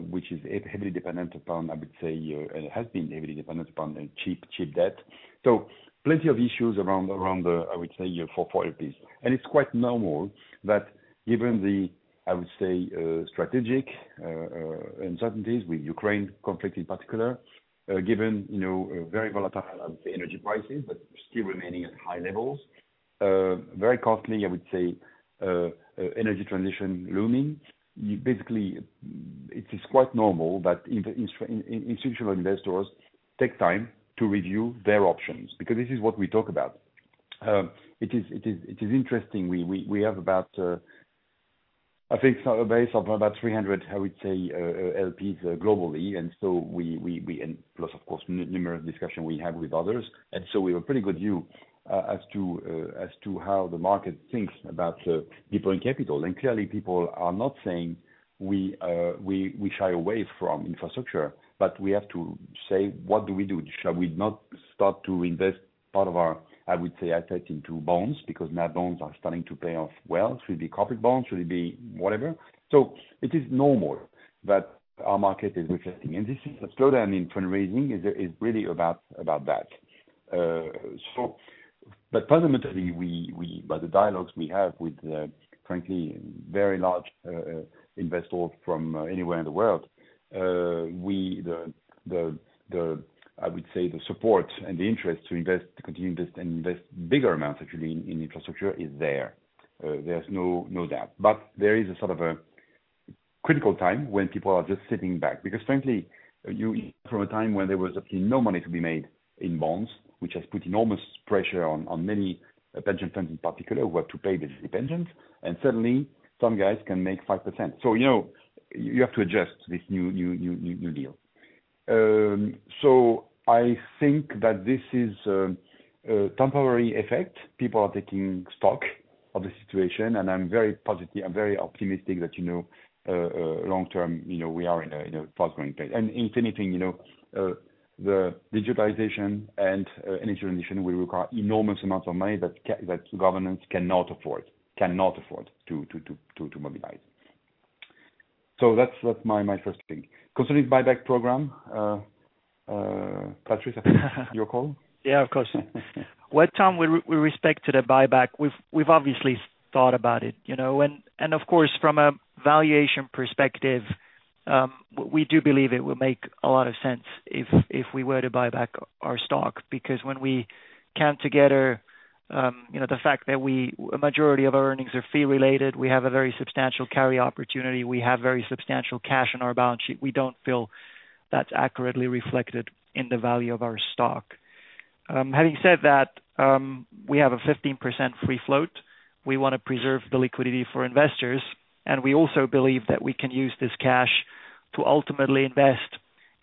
[SPEAKER 3] which is heavily dependent upon, I would say, it has been heavily dependent upon the cheap, cheap debt. Plenty of issues around, around the, I would say, yeah, for, for LPs. It's quite normal that given the, I would say, strategic uncertainties with Ukraine conflict in particular, given, you know, very volatile, I would say energy prices, but still remaining at high levels, very costly, I would say, energy transition looming. It is quite normal that in institutional investors take time to review their options, because this is what we talk about. It is, it is, it is interesting, we, we, we have about, I think a base of about 300, I would say, LPs globally. So we, we, we, and plus of course, numerous discussion we have with others, and so we have a pretty good view, as to, as to how the market thinks about deploying capital. Clearly, people are not saying we, we, we shy away from infrastructure, but we have to say, "What do we do? Shall we not start to invest part of our, I would say, attach into bonds, because now bonds are starting to pay off well. Should it be corporate bonds? Should it be whatever?" It is normal, but our market is reflecting, and this is a slowdown in fundraising is, is really about, about that. But fundamentally, we, we, by the dialogues we have with, frankly, very large investors from anywhere in the world, we the, the, the, I would say the support and the interest to invest, to continue to invest and invest bigger amounts, actually, in, in infrastructure is there, there's no, no doubt. There is a sort of a critical time when people are just sitting back, because frankly, you from a time when there was actually no money to be made in bonds, which has put enormous pressure on, on many pension funds in particular, were to pay the pensions, and suddenly some guys can make 5%. You know, you have to adjust this new, new, new, new, new deal. I think that this is a temporary effect. People are taking stock of the situation, I'm very positive, I'm very optimistic that, you know, long term, you know, we are in a fast-growing place. If anything, you know, the digitalization and energy transition will require enormous amounts of money that governments cannot afford, cannot afford to mobilize. That's, that's my, my first thing. Concerning buyback program, Patrice, your call.
[SPEAKER 2] Yeah, of course. Well, Tom, we respect to the buyback, we've obviously thought about it, you know. Of course, from a valuation perspective, we do believe it would make a lot of sense if we were to buy back our stock, because when we count together, you know, the fact that we. A majority of our earnings are fee related, we have a very substantial carry opportunity, we have very substantial cash on our balance sheet. We don't feel that's accurately reflected in the value of our stock. Having said that, we have a 15% free float. We wanna preserve the liquidity for investors, and we also believe that we can use this cash to ultimately invest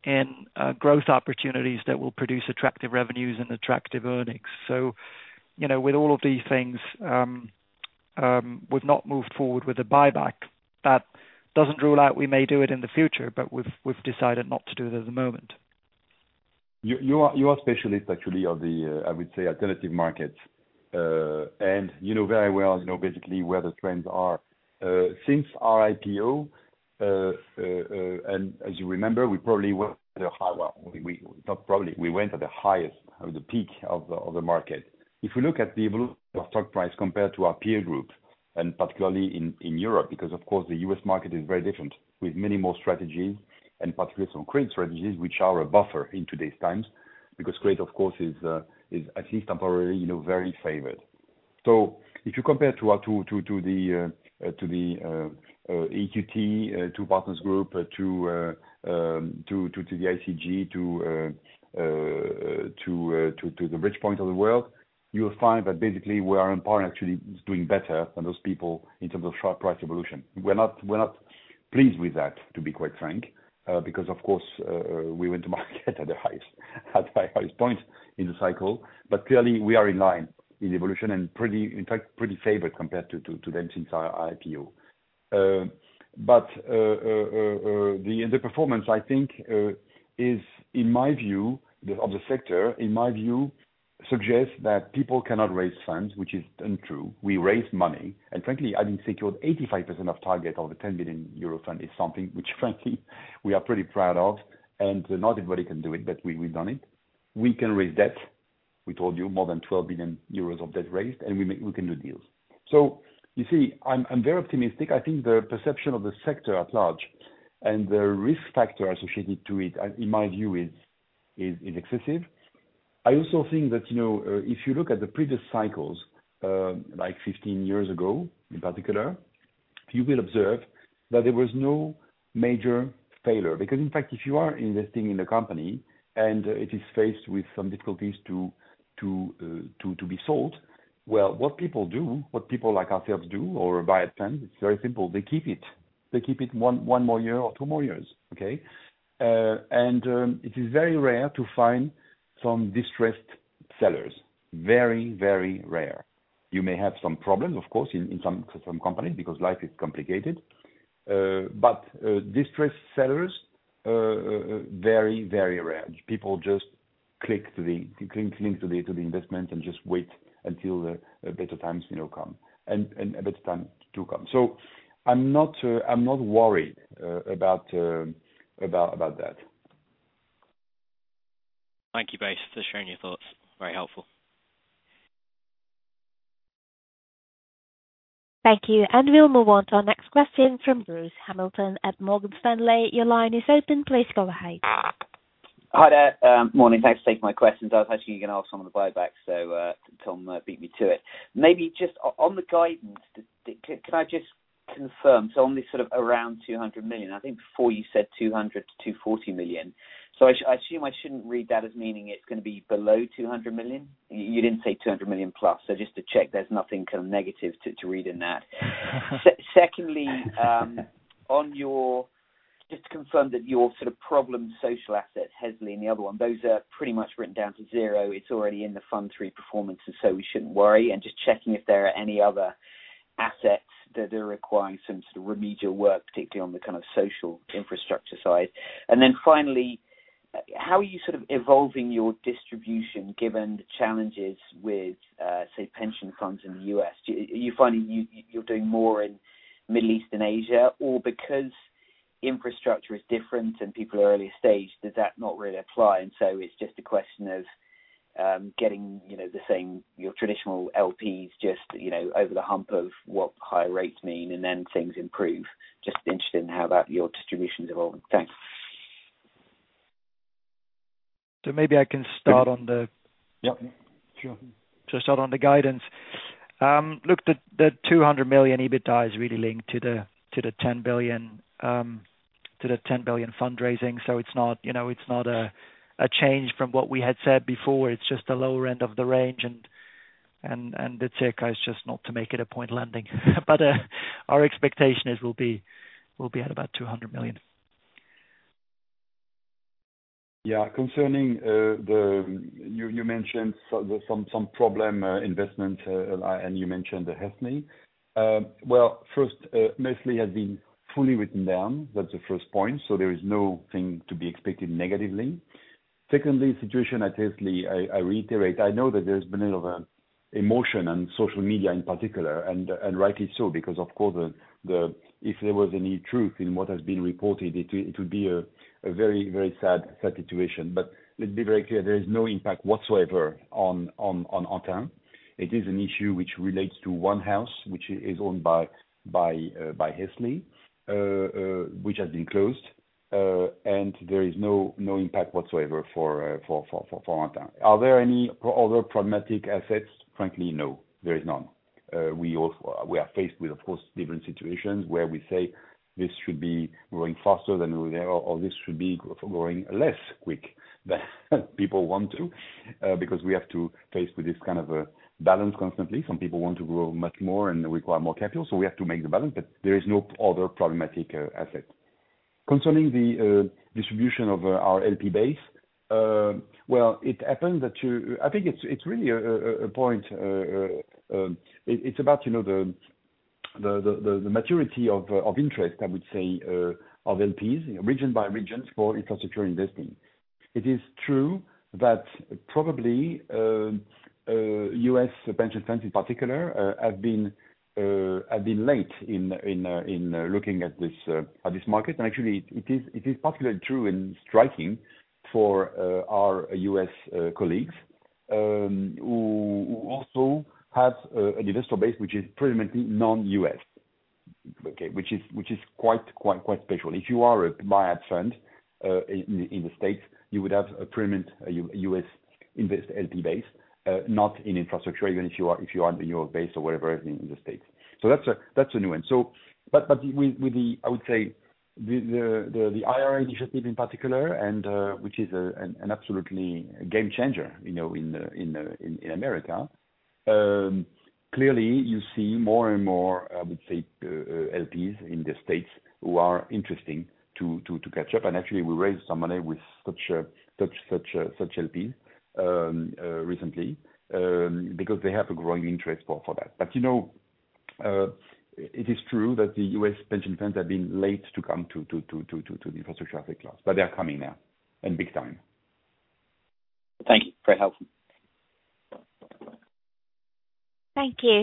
[SPEAKER 2] in growth opportunities that will produce attractive revenues and attractive earnings. You know, with all of these things, we've not moved forward with a buyback. That doesn't rule out we may do it in the future. We've, we've decided not to do it at the moment.
[SPEAKER 3] You, you are, you are specialist, actually, of the, I would say, alternative markets. You know very well, you know, basically where the trends are. Since our IPO, as you remember, we probably went the high, well, we, not probably, we went at the highest, at the peak of the, of the market. If you look at the evolution of stock price compared to our peer group, particularly in Europe, because of course, the U.S. market is very different, with many more strategies and particularly some great strategies which are a buffer in today's times. Great, of course, is at least temporarily, you know, very favored. If you compare to our EQT, to Partners Group, to ICG, to Bridgepoint of the world, you'll find that basically we are in part actually doing better than those people in terms of sharp price evolution. We're not, we're not pleased with that, to be quite frank, because, of course, we went to market at the highest, at my highest point in the cycle. Clearly we are in line in evolution, and pretty, in fact, pretty favored compared to them since our IPO. The, the performance, I think, is in my view, of the sector, in my view, suggests that people cannot raise funds, which is untrue. We raise money, frankly, I think secured 85% of target of the 10 billion euro fund is something which frankly we are pretty proud of, not everybody can do it, but we, we've done it. We can raise debt. We told you more than 12 billion euros of debt raised, we can do deals. You see, I'm, I'm very optimistic. I think the perception of the sector at large and the risk factor associated to it, in my view, is, is, is excessive. I also think that, you know, if you look at the previous cycles, like 15 years ago in particular, you will observe that there was no major failure. Because, in fact, if you are investing in a company and it is faced with some difficulties to, to, to, to be sold, well, what people do, what people like ourselves do, or buy a fund, it's very simple: they keep it. They keep it 1, 1 more year or 2 more years, okay? And, it is very rare to find some distressed sellers, very, very rare. You may have some problems, of course, in, in some, some companies, because life is complicated. But, distressed sellers, very, very rare. People just click to the... click, click to the, to the investment and just wait until the, a better times, you know, come and, and a better time to come. I'm not, I'm not worried, about, about, about that.
[SPEAKER 6] Thank you, guys, for sharing your thoughts. Very helpful.
[SPEAKER 1] Thank you. We'll move on to our next question from Bruce Hamilton at Morgan Stanley. Your line is open. Please go ahead.
[SPEAKER 7] Hi there. Morning. Thanks for taking my questions. I was actually gonna ask some of the buyback, so Tom beat me to it. Maybe just on the guidance, can I just confirm, so on this sort of around 200 million, I think before you said 200 million-240 million. I assume I shouldn't read that as meaning it's gonna be below 200 million? You didn't say 200 million plus, so just to check, there's nothing kind of negative to read in that. Secondly, on your... Just to confirm that your sort of problem, social asset, Hesley and the other one, those are pretty much written down to zero. It's already in the Fund III performances, so we shouldn't worry, and just checking if there are any other assets that are requiring some sort of remedial work, particularly on the kind of social infrastructure side. Finally, how are you sort of evolving your distribution, given the challenges with, say, pension funds in the US? Are you finding you're doing more in Middle East and Asia, or because infrastructure is different and people are early stage, does that not really apply, and so it's just a question of getting, you know, the same, your traditional LPs just, you know, over the hump of what high rates mean, and then things improve? Just interested in how that, your distribution's evolving. Thanks.
[SPEAKER 2] Maybe I can start on.
[SPEAKER 7] Yep. Sure.
[SPEAKER 2] To start on the guidance. look, the, the 200 million EBITDA is really linked to the, to the 10 billion, to the 10 billion fundraising. It's not, you know, it's not a, a change from what we had said before. It's just a lower end of the range, and, and, and the ticker is just not to make it a point landing. Our expectation is we'll be, we'll be at about 200 million.
[SPEAKER 3] Yeah. Concerning the... You mentioned some problem investment, and you mentioned the Hesley. Well, first, Hesley has been fully written down. That's the first point, so there is nothing to be expected negatively. Secondly, situation at Hesley, I reiterate, I know that there's been a lot of emotion on social media in particular, and rightly so, because, of course, if there was any truth in what has been reported, it would be a very, very sad, sad situation. Let's be very clear, there is no impact whatsoever on Antin. It is an issue which relates to one house, which is owned by Hesley, which has been closed, and there is no impact whatsoever for Antin. Are there any other problematic assets? Frankly, no, there is none. We are faced with, of course, different situations, where we say this should be growing faster than we were, or this should be growing less quick than people want to, because we have to faced with this kind of a balance constantly. Some people want to grow much more, we require more capital, so we have to make the balance, but there is no other problematic asset. Concerning the distribution of our LP base, well, it happened that you... I think it's, it's really a point, it's about, you know, the maturity of interest, I would say, of LPs, region by region, for infrastructure investing. It is true that probably U.S. pension funds in particular have been late in looking at this at this market. Actually, it is, it is particularly true in striking for our U.S. colleagues who also have an investor base, which is predominantly non-U.S., which is quite, quite, quite special. If you are a buyout fund in the States, you would have a permanent U.S. invest LP base, not in infrastructure, even if you are, if you are in Europe based or wherever in the States. That's a, that's a new one. With the, I would say, the, the, the, the IRA initiative in particular, and which is an absolutely game changer, you know, in America, clearly, you see more and more, I would say, LPs in the States who are interesting to catch up. Actually, we raised some money with such LP recently, because they have a growing interest for that. You know, it is true that the U.S. pension funds have been late to come to the infrastructure class, but they are coming now, and big time.
[SPEAKER 7] Thank you. Very helpful.
[SPEAKER 1] Thank you.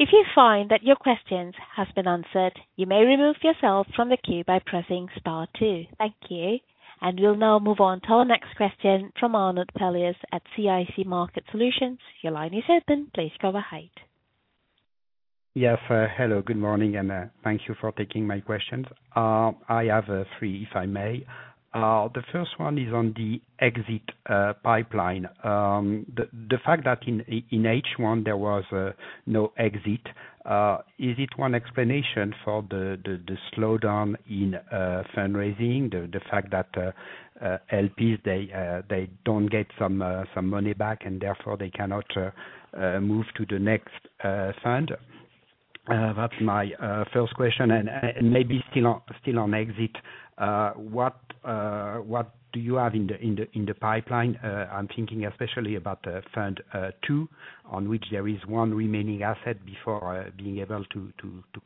[SPEAKER 1] If you find that your questions has been answered, you may remove yourself from the queue by pressing star two. Thank you, and we'll now move on to our next question from Arnaud Palliez at CIC Market Solutions. Your line is open. Please go ahead.
[SPEAKER 8] Yes. Hello, good morning, thank you for taking my questions. I have three, if I may. The first one is on the exit pipeline. The fact that in H1, there was no exit, is it one explanation for the slowdown in fundraising, the fact that LPs, they don't get some money back, and therefore they cannot move to the next fund? That's my first question. Maybe still on, still on exit, what do you have in the pipeline? I'm thinking especially about Fund II, on which there is 1 remaining asset before being able to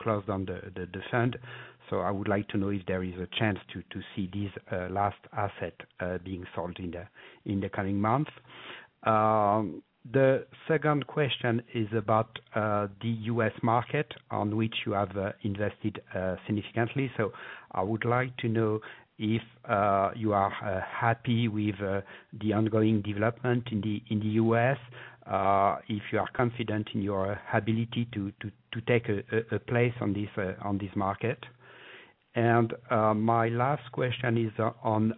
[SPEAKER 8] close down the fund. I would like to know if there is a chance to, to see this last asset being sold in the coming months. The second question is about the US market, on which you have invested significantly. I would like to know if you are happy with the ongoing development in the US, if you are confident in your ability to, to, to take a, a, a place on this market. My last question is on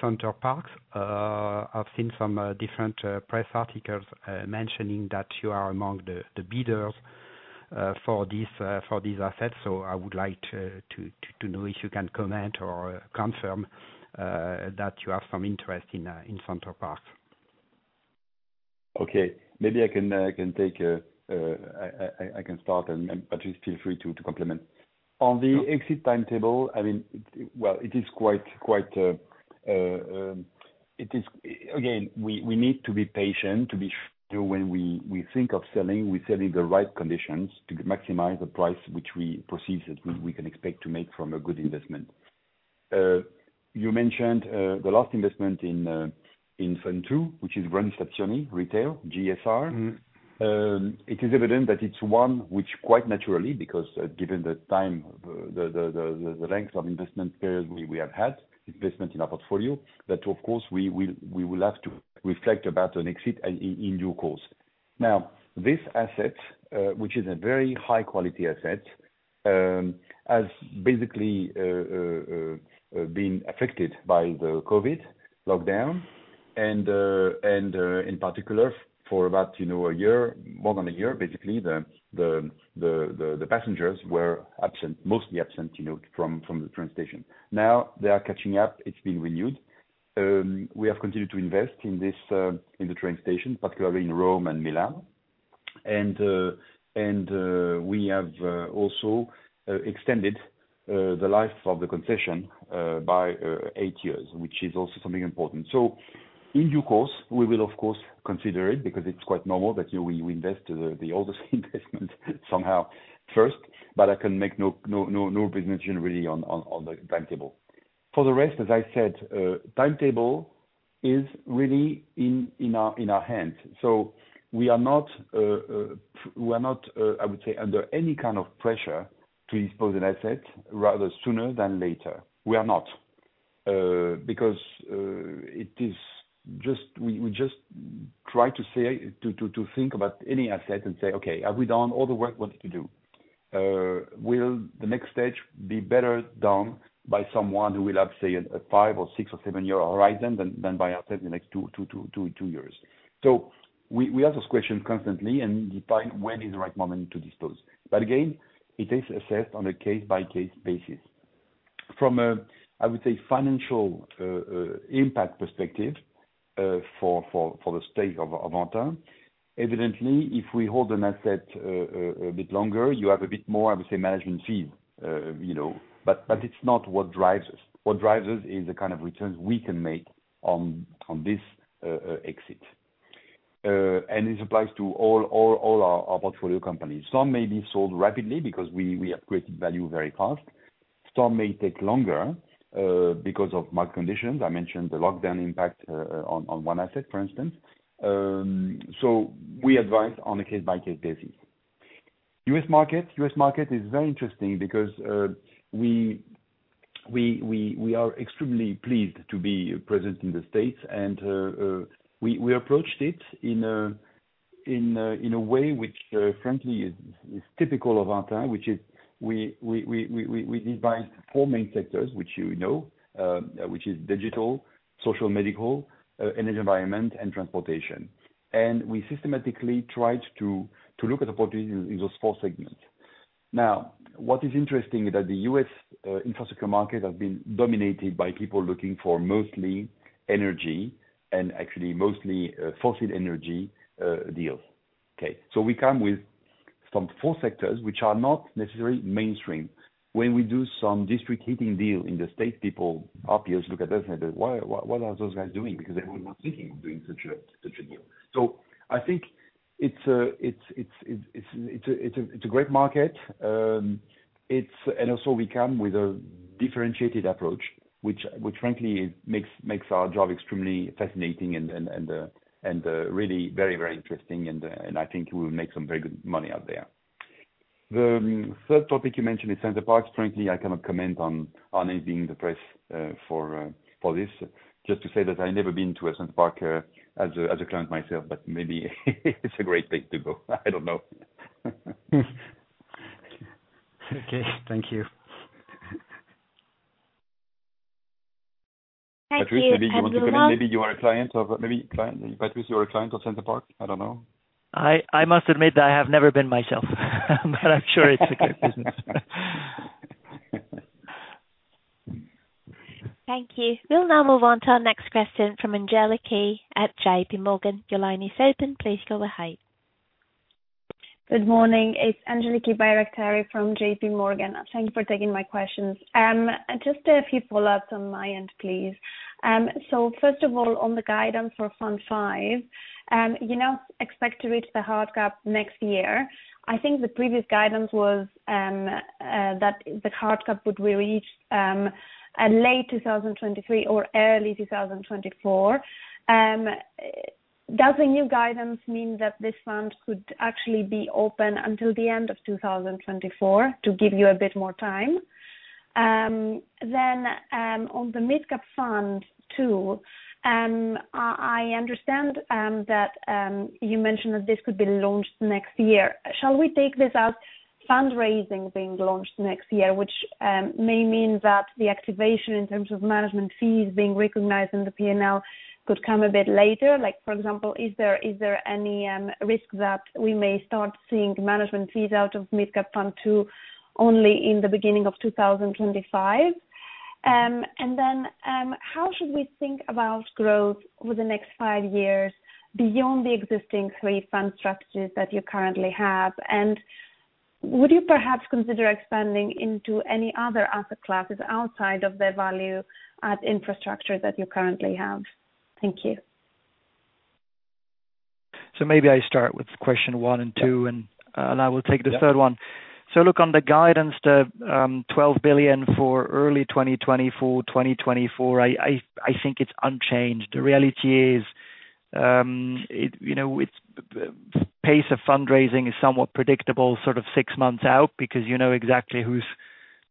[SPEAKER 8] Center Parcs. I've seen some different press articles mentioning that you are among the bidders for these for these assets, so I would like to, to, to, to know if you can comment or confirm that you have some interest in Center Parcs.
[SPEAKER 3] Okay. Maybe I can take. I can start. Patrice feel free to complement. On the exit timetable, I mean, well, it is quite, quite. Again, we need to be patient, to be sure when we think of selling, we're selling the right conditions to maximize the price which we proceed, that we can expect to make from a good investment. You mentioned the last investment in Fund II, which is Grandi Stazioni Retail, GSR.
[SPEAKER 8] Mm-hmm.
[SPEAKER 3] It is evident that it's one which quite naturally, because, given the time, the, the, the, the, the length of investment period, we, we have had investment in our portfolio, that of course, we will, we will have to reflect about an exit in due course. This asset, which is a very high quality asset, has basically, been affected by the COVID lockdown, and, and, in particular, for about, you know, a year, more than a year, basically, the, the, the, the, the passengers were absent, mostly absent, you know, from, from the train station. They are catching up. It's been renewed. We have continued to invest in this, in the train station, particularly in Rome and Milan. We have also extended the life of the concession by eight years, which is also something important. In due course, we will, of course, consider it, because it's quite normal that, you know, we invest the oldest investment somehow first, but I can make no, no, no, no commitment generally on the timetable. For the rest, as I said, timetable is really in our hands, so we are not, we're not, I would say, under any kind of pressure to expose an asset rather sooner than later. We are not. Because it is just. We just try to think about any asset and say, "Okay, have we done all the work we wanted to do? Will the next stage be better done by someone who will have, say, a five- or six- or seven-year horizon than, than by us in the next two, two, two, two, two years? We, we ask those questions constantly and define when is the right moment to dispose. Again, it is assessed on a case-by-case basis. From a, I would say, financial impact perspective, for, for, for the sake of, of Antin, evidently, if we hold an asset a bit longer, you have a bit more, I would say, management fee, you know, but, but it's not what drives us. What drives us is the kind of returns we can make on, on this exit. This applies to all, all, all our, our portfolio companies. Some may be sold rapidly because we, we upgraded value very fast. Some may take longer because of market conditions. I mentioned the lockdown impact on, on one asset, for instance. So we advise on a case-by-case basis. U.S. market, U.S. market is very interesting because we are extremely pleased to be present in the States, and we approached it in a, in a, in a way which frankly is, is typical of our time, which is we, we, we, we, we divide four main sectors, which you know, which is digital, social, medical, energy, environment, and transportation. And we systematically tried to, to look at the opportunities in those four segments. Now, what is interesting is that the U.S. infrastructure market has been dominated by people looking for mostly energy and actually mostly fossil energy deals. Okay, we come with some four sectors, which are not necessarily mainstream. When we do some district heating deal in the States, people obviously look at us and say, "Why- what, what are those guys doing?" Because everyone was thinking of doing such a, such a deal. I think it's, it's, it's, it's, it's, it's a, it's a, it's a great market. It's and also we come with a differentiated approach, which, which frankly makes, makes our job extremely fascinating and, and, and, and, really very, very interesting. I think we will make some very good money out there. The third topic you mentioned is Center Parcs. Frankly, I cannot comment on, on anything the price, for, for this. Just to say that I've never been to a Center Parcs as a, as a client myself, but maybe it's a great place to go. I don't know.
[SPEAKER 8] Okay, thank you.
[SPEAKER 1] Thank you.
[SPEAKER 3] Maybe you want to comment, maybe you are a client of... perhaps you're a client of Center Parcs? I don't know.
[SPEAKER 2] I, I must admit that I have never been myself, but I'm sure it's a good business.
[SPEAKER 1] Thank you. We'll now move on to our next question from Angeliki at JPMorgan. Your line is open. Please go ahead.
[SPEAKER 9] Good morning. It's Angeliki Bairaktari from JPMorgan. Thank you for taking my questions. Just a few follow-ups on my end, please. First of all, on the guidance for Fund V, you now expect to reach the hard cap next year. I think the previous guidance was that the hard cap would be reached late 2023 or early 2024. Does the new guidance mean that this fund could actually be open until the end of 2024, to give you a bit more time? On the Mid Cap Fund II, I understand that you mentioned that this could be launched next year. Shall we take this out, fundraising being launched next year, which may mean that the activation in terms of management fees being recognized in the PNL could come a bit later? Like, for example, is there, is there any risk that we may start seeing management fees out of Mid Cap Fund II, only in the beginning of 2025? How should we think about growth over the next five years beyond the existing three fund structures that you currently have? Would you perhaps consider expanding into any other asset classes outside of the value-add infrastructure that you currently have? Thank you.
[SPEAKER 2] Maybe I start with question one and two, and I will take the thirdrd one. Look on the guidance, the 12 billion for early 2024, 2024, I think it's unchanged. The reality is, you know, its pace of fundraising is somewhat predictable, sort of six months out, because you know exactly who's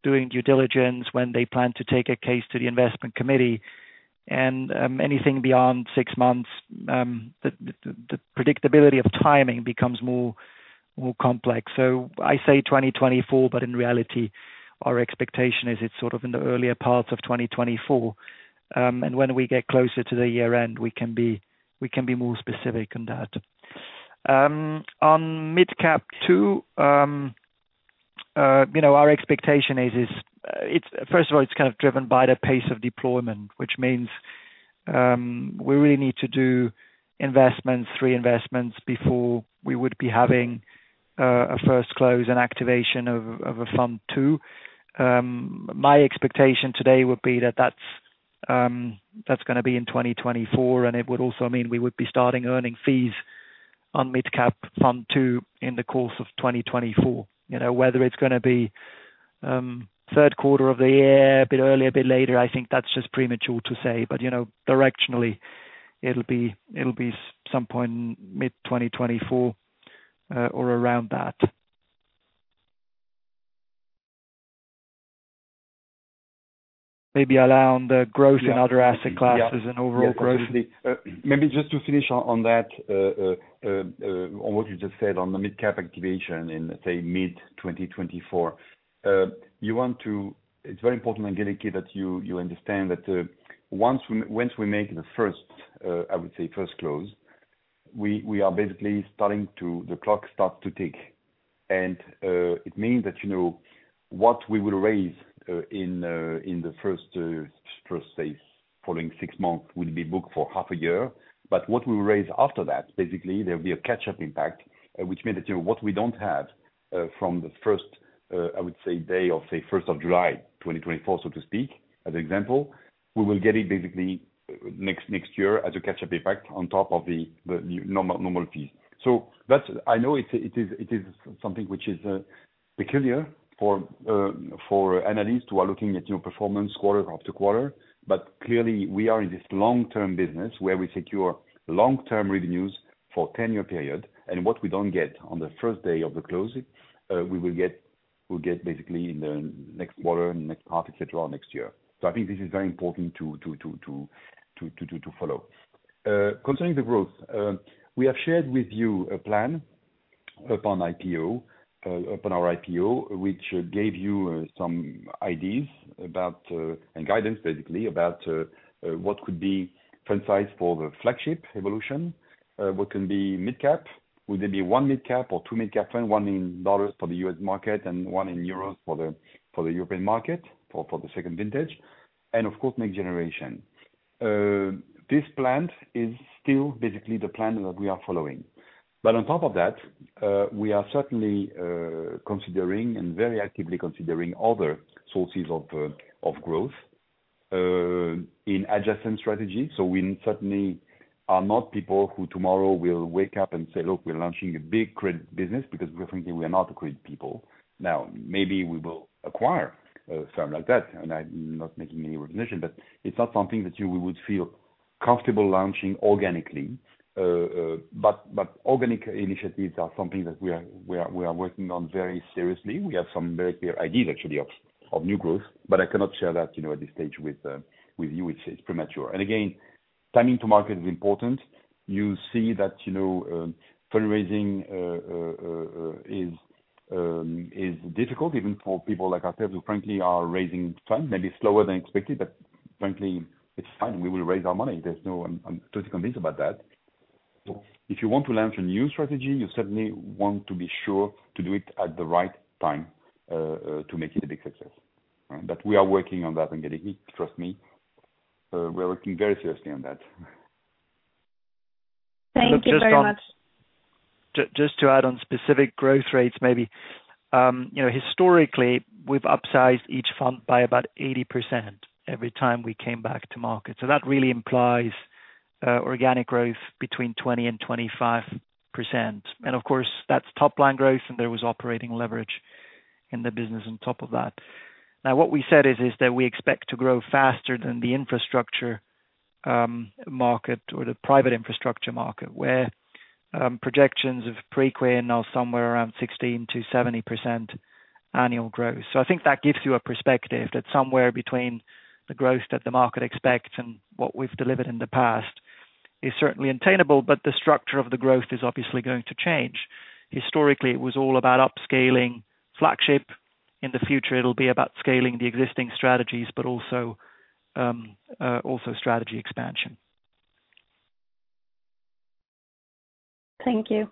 [SPEAKER 2] doing due diligence when they plan to take a case to the investment committee, and anything beyond six months, the predictability of timing becomes more, more complex. I say 2024, but in reality, our expectation is it's sort of in the earlier parts of 2024. When we get closer to the year end, we can be more specific on that. On Mid Cap Fund II, you know, our expectation is, is, it's first of all, it's kind of driven by the pace of deployment, which means, we really need to do investments, three investments before we would be having a first close and activation of a Fund II. My expectation today would be that that's, that's gonna be in 2024, and it would also mean we would be starting earning fees on Mid Cap Fund II in the course of 2024. You know, whether it's gonna be, third quarter of the year, a bit earlier, a bit later, I think that's just premature to say. You know, directionally it'll be, it'll be some point mid-2024 or around that. Maybe around the growth in other asset classes and overall growth.
[SPEAKER 3] Maybe just to finish on, on that, on what you just said on the mid-cap activation in, say, mid-2024. You want to. It's very important, Angeliki, that you, you understand that, once we make the first, I would say first close, we, we are basically starting to the clock start to tick. It means that, you know, what we will raise, in the first, first, say, following six months, will be booked for half a year. What we raise after that, basically there will be a catch-up impact, which means that, you know, what we don't have, from the first, I would say, day of, say, July 1st, 2024, so to speak, as an example, we will get it basically next, next year as a catch-up impact on top of the, the normal, normal fees. So that's. I know it's, it is, it is something which is peculiar for, for analysts who are looking at your performance quarter after quarter, but clearly we are in this long-term business where we secure long-term revenues for 10-year period, and what we don't get on the first day of the closing, we will get. We'll get basically in the next quarter, next half, et cetera, next year. I think this is very important to, to, to, to, to, to, to, to follow. Concerning the growth, we have shared with you a plan upon IPO, upon our IPO, which gave you some ideas about and guidance, basically, about what could be precise for the flagship evolution. What can be Mid Cap, would there be one Mid Cap or two Mid Cap, one in $ for the U.S. market, and one in EUR for the, for the European market, for, for the second vintage, and of course, NextGen. This plan is still basically the plan that we are following, but on top of that, we are certainly considering and very actively considering other sources of growth in adjacent strategy. So we certainly are not people who tomorrow will wake up and say, "Look, we're launching a big credit business," because we're thinking we are not credit people. Now, maybe we will acquire something like that, and I'm not making any recognition, but it's not something that we would feel comfortable launching organically. But organic initiatives are something that we are, we are, we are working on very seriously. We have some very clear ideas, actually, of new growth, but I cannot share that, you know, at this stage with you. It's, it's premature. And again, timing to market is important. You see that, you know, fundraising is difficult, even for people like Ardian, who frankly are raising funds. Maybe slower than expected, but frankly, it's fine. We will raise our money. There's no. I'm, I'm totally convinced about that. If you want to launch a new strategy, you certainly want to be sure to do it at the right time to make it a big success, right? We are working on that and getting it, trust me. We're working very seriously on that.
[SPEAKER 9] Thank you very much.
[SPEAKER 2] Just, just to add on specific growth rates, maybe. You know, historically, we've upsized each fund by about 80% every time we came back to market. That really implies organic growth between 20%-25%. Of course, that's top line growth, and there was operating leverage in the business on top of that. Now, what we said is, is that we expect to grow faster than the infrastructure market or the private infrastructure market, where projections of Preqin are somewhere around 16%-70% annual growth. I think that gives you a perspective that somewhere between the growth that the market expects and what we've delivered in the past is certainly attainable, but the structure of the growth is obviously going to change. Historically, it was all about upscaling Flagship. In the future, it'll be about scaling the existing strategies, but also, also strategy expansion.
[SPEAKER 9] Thank you.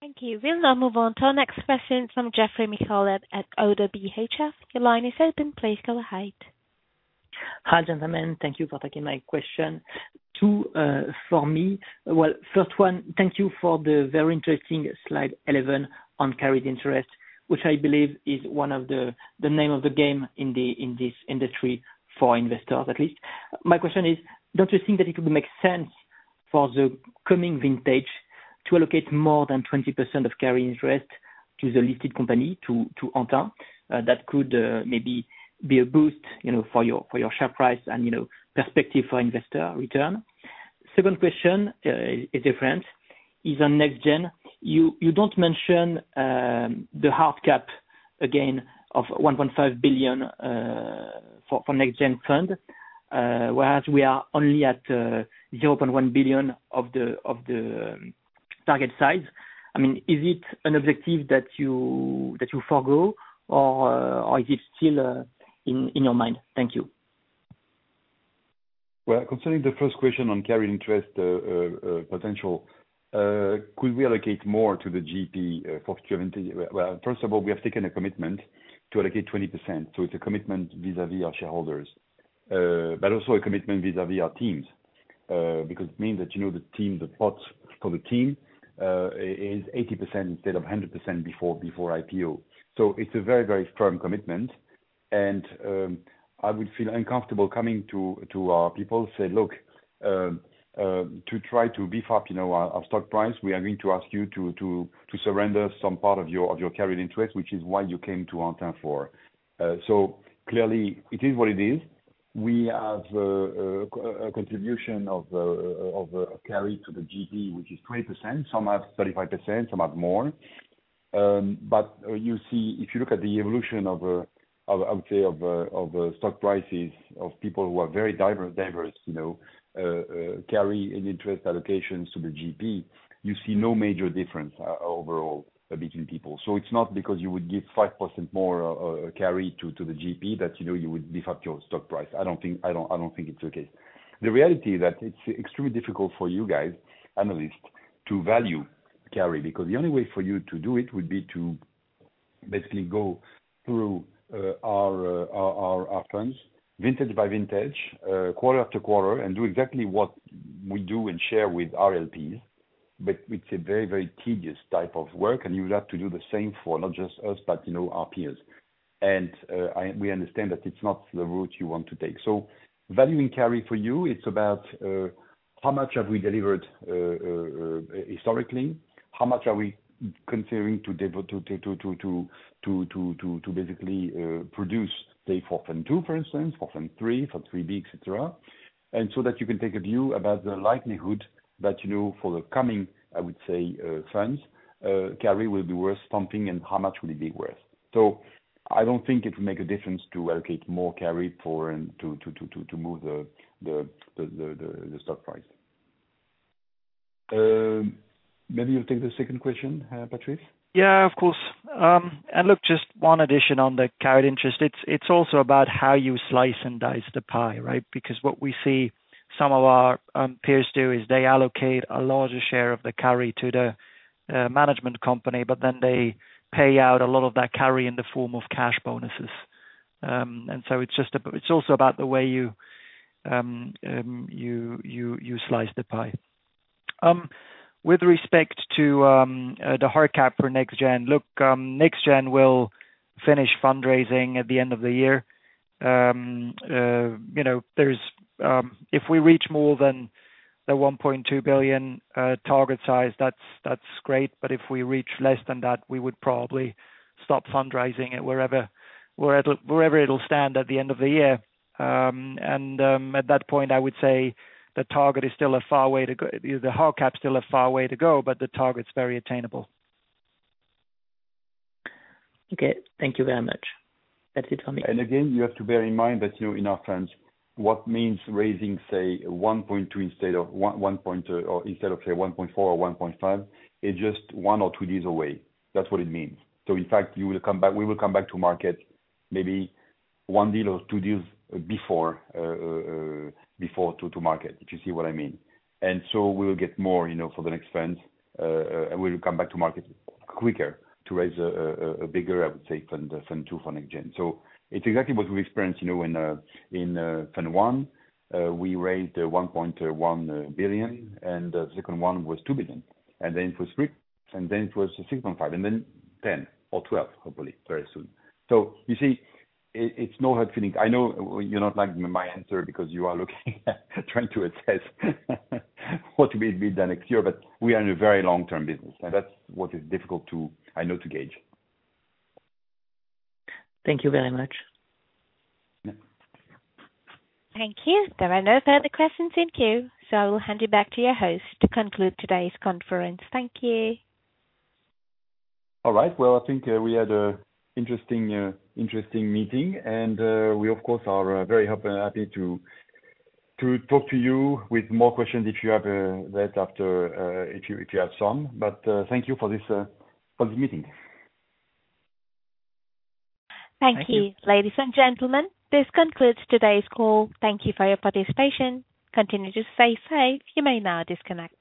[SPEAKER 1] Thank you. We'll now move on to our next question from Geoffrey Michieliels at ODDO BHF. Your line is open. Please go ahead.
[SPEAKER 10] Hi, gentlemen. Thank you for taking my question. Two for me. Well, first one, thank you for the very interesting slide 11 on carried interest, which I believe is one of the, the name of the game in the, in this industry for investors, at least. My question is: don't you think that it would make sense for the coming vintage to allocate more than 20% of carried interest to the listed company, to, to Antin? That could maybe be a boost, you know, for your, for your share price and, you know, perspective for investor return. Second question is different, is on NextGen. You, you don't mention the hard cap again of 1.5 billion for, for NextGen Fund, whereas we are only at 0.1 billion of the, of the target size. I mean, is it an objective that you, that you forgo, or, or is it still, in, in your mind? Thank you.
[SPEAKER 3] Well, concerning the first question on carried interest, potential, could we allocate more to the GP for current? Well, first of all, we have taken a commitment to allocate 20%, so it's a commitment vis-à-vis our shareholders, but also a commitment vis-à-vis our teams. Because it means that, you know, the team, the pot for the team, is 80% instead of 100% before, before IPO. It's a very, very firm commitment, and I would feel uncomfortable coming to, to our people, say, "Look, to try to beef up, you know, our, our stock price, we are going to ask you to, to, to surrender some part of your, of your carried interest, which is why you came to Antin for." Clearly it is what it is. We have a contribution of carry to the GP, which is 20%, some have 35%, some have more. You see, if you look at the evolution of, I would say, of stock prices, of people who are very diverse, you know, carried interest allocations to the GP, you see no major difference overall between people. It's not because you would give 5% more carry to, to the GP that, you know, you would beef up your stock price. I don't think, I don't, I don't think it's the case. The reality is that it's extremely difficult for you guys, analysts, to value carry, because the only way for you to do it would be to basically go through, our, our, our funds, vintage by vintage, quarter-to-quarter, and do exactly what we do and share with our LPs. It's a very, very tedious type of work, and you would have to do the same for not just us, but, you know, our peers. We understand that it's not the route you want to take. Valuing carry for you, it's about, how much have we delivered historically? How much are we considering to basically produce, say, for Fund II, for instance, for Fund III, for Fund III-B, et cetera. So that you can take a view about the likelihood... You know, for the coming, I would say, funds, carry will be worth pumping and how much will it be worth? I don't think it will make a difference to allocate more carry for and to move the stock price. Maybe you'll take the second question, Patrice?
[SPEAKER 2] Yeah, of course. Look, just one addition on the carried interest. It's, it's also about how you slice and dice the pie, right? Because what we see some of our peers do, is they allocate a larger share of the carry to the management company, but then they pay out a lot of that carry in the form of cash bonuses. So it's just it's also about the way you slice the pie. With respect to the hard cap for NextGen, look, NextGen will finish fundraising at the end of the year. you know, there's, if we reach more than the 1.2 billion target size, that's, that's great, but if we reach less than that, we would probably stop fundraising at wherever, whereever, wherever it'll stand at the end of the year. At that point, I would say the target is still a far way to go. The hard cap's still a far way to go, but the target's very attainable.
[SPEAKER 10] Okay. Thank you very much. That's it for me.
[SPEAKER 3] Again, you have to bear in mind that, you know, in our terms, what means raising, say, 1.2 instead of, say, 1.4 or 1.5, is just one or two deals away. That's what it means. In fact, you will come back-- we will come back to market, maybe one deal or two deals before, before to market, if you see what I mean. We will get more, you know, for the next fund, and we'll come back to market quicker to raise a bigger, I would say, fund, Fund II for NextGen. It's exactly what we've experienced, you know, in Fund I. We raised 1.1 billion, the second one was 2 billion, then it was 3 billion, then it was 6.5 billion, then 10 billion or 12 billion, hopefully, very soon. You see, it's no hard feeling. I know you're not liking my answer because you are looking at trying to assess what will be done next year, we are in a very long-term business, and that's what is difficult to, I know, to gauge.
[SPEAKER 10] Thank you very much.
[SPEAKER 3] Yeah.
[SPEAKER 1] Thank you. There are no further questions in queue, so I will hand you back to your host to conclude today's conference. Thank you.
[SPEAKER 3] All right. Well, I think, we had a interesting, interesting meeting. We of course are very happy and happy to talk to you with more questions if you have that after, if you, if you have some. Thank you for this, for the meeting.
[SPEAKER 1] Thank you. Ladies and gentlemen, this concludes today's call. Thank you for your participation. Continue to stay safe. You may now disconnect.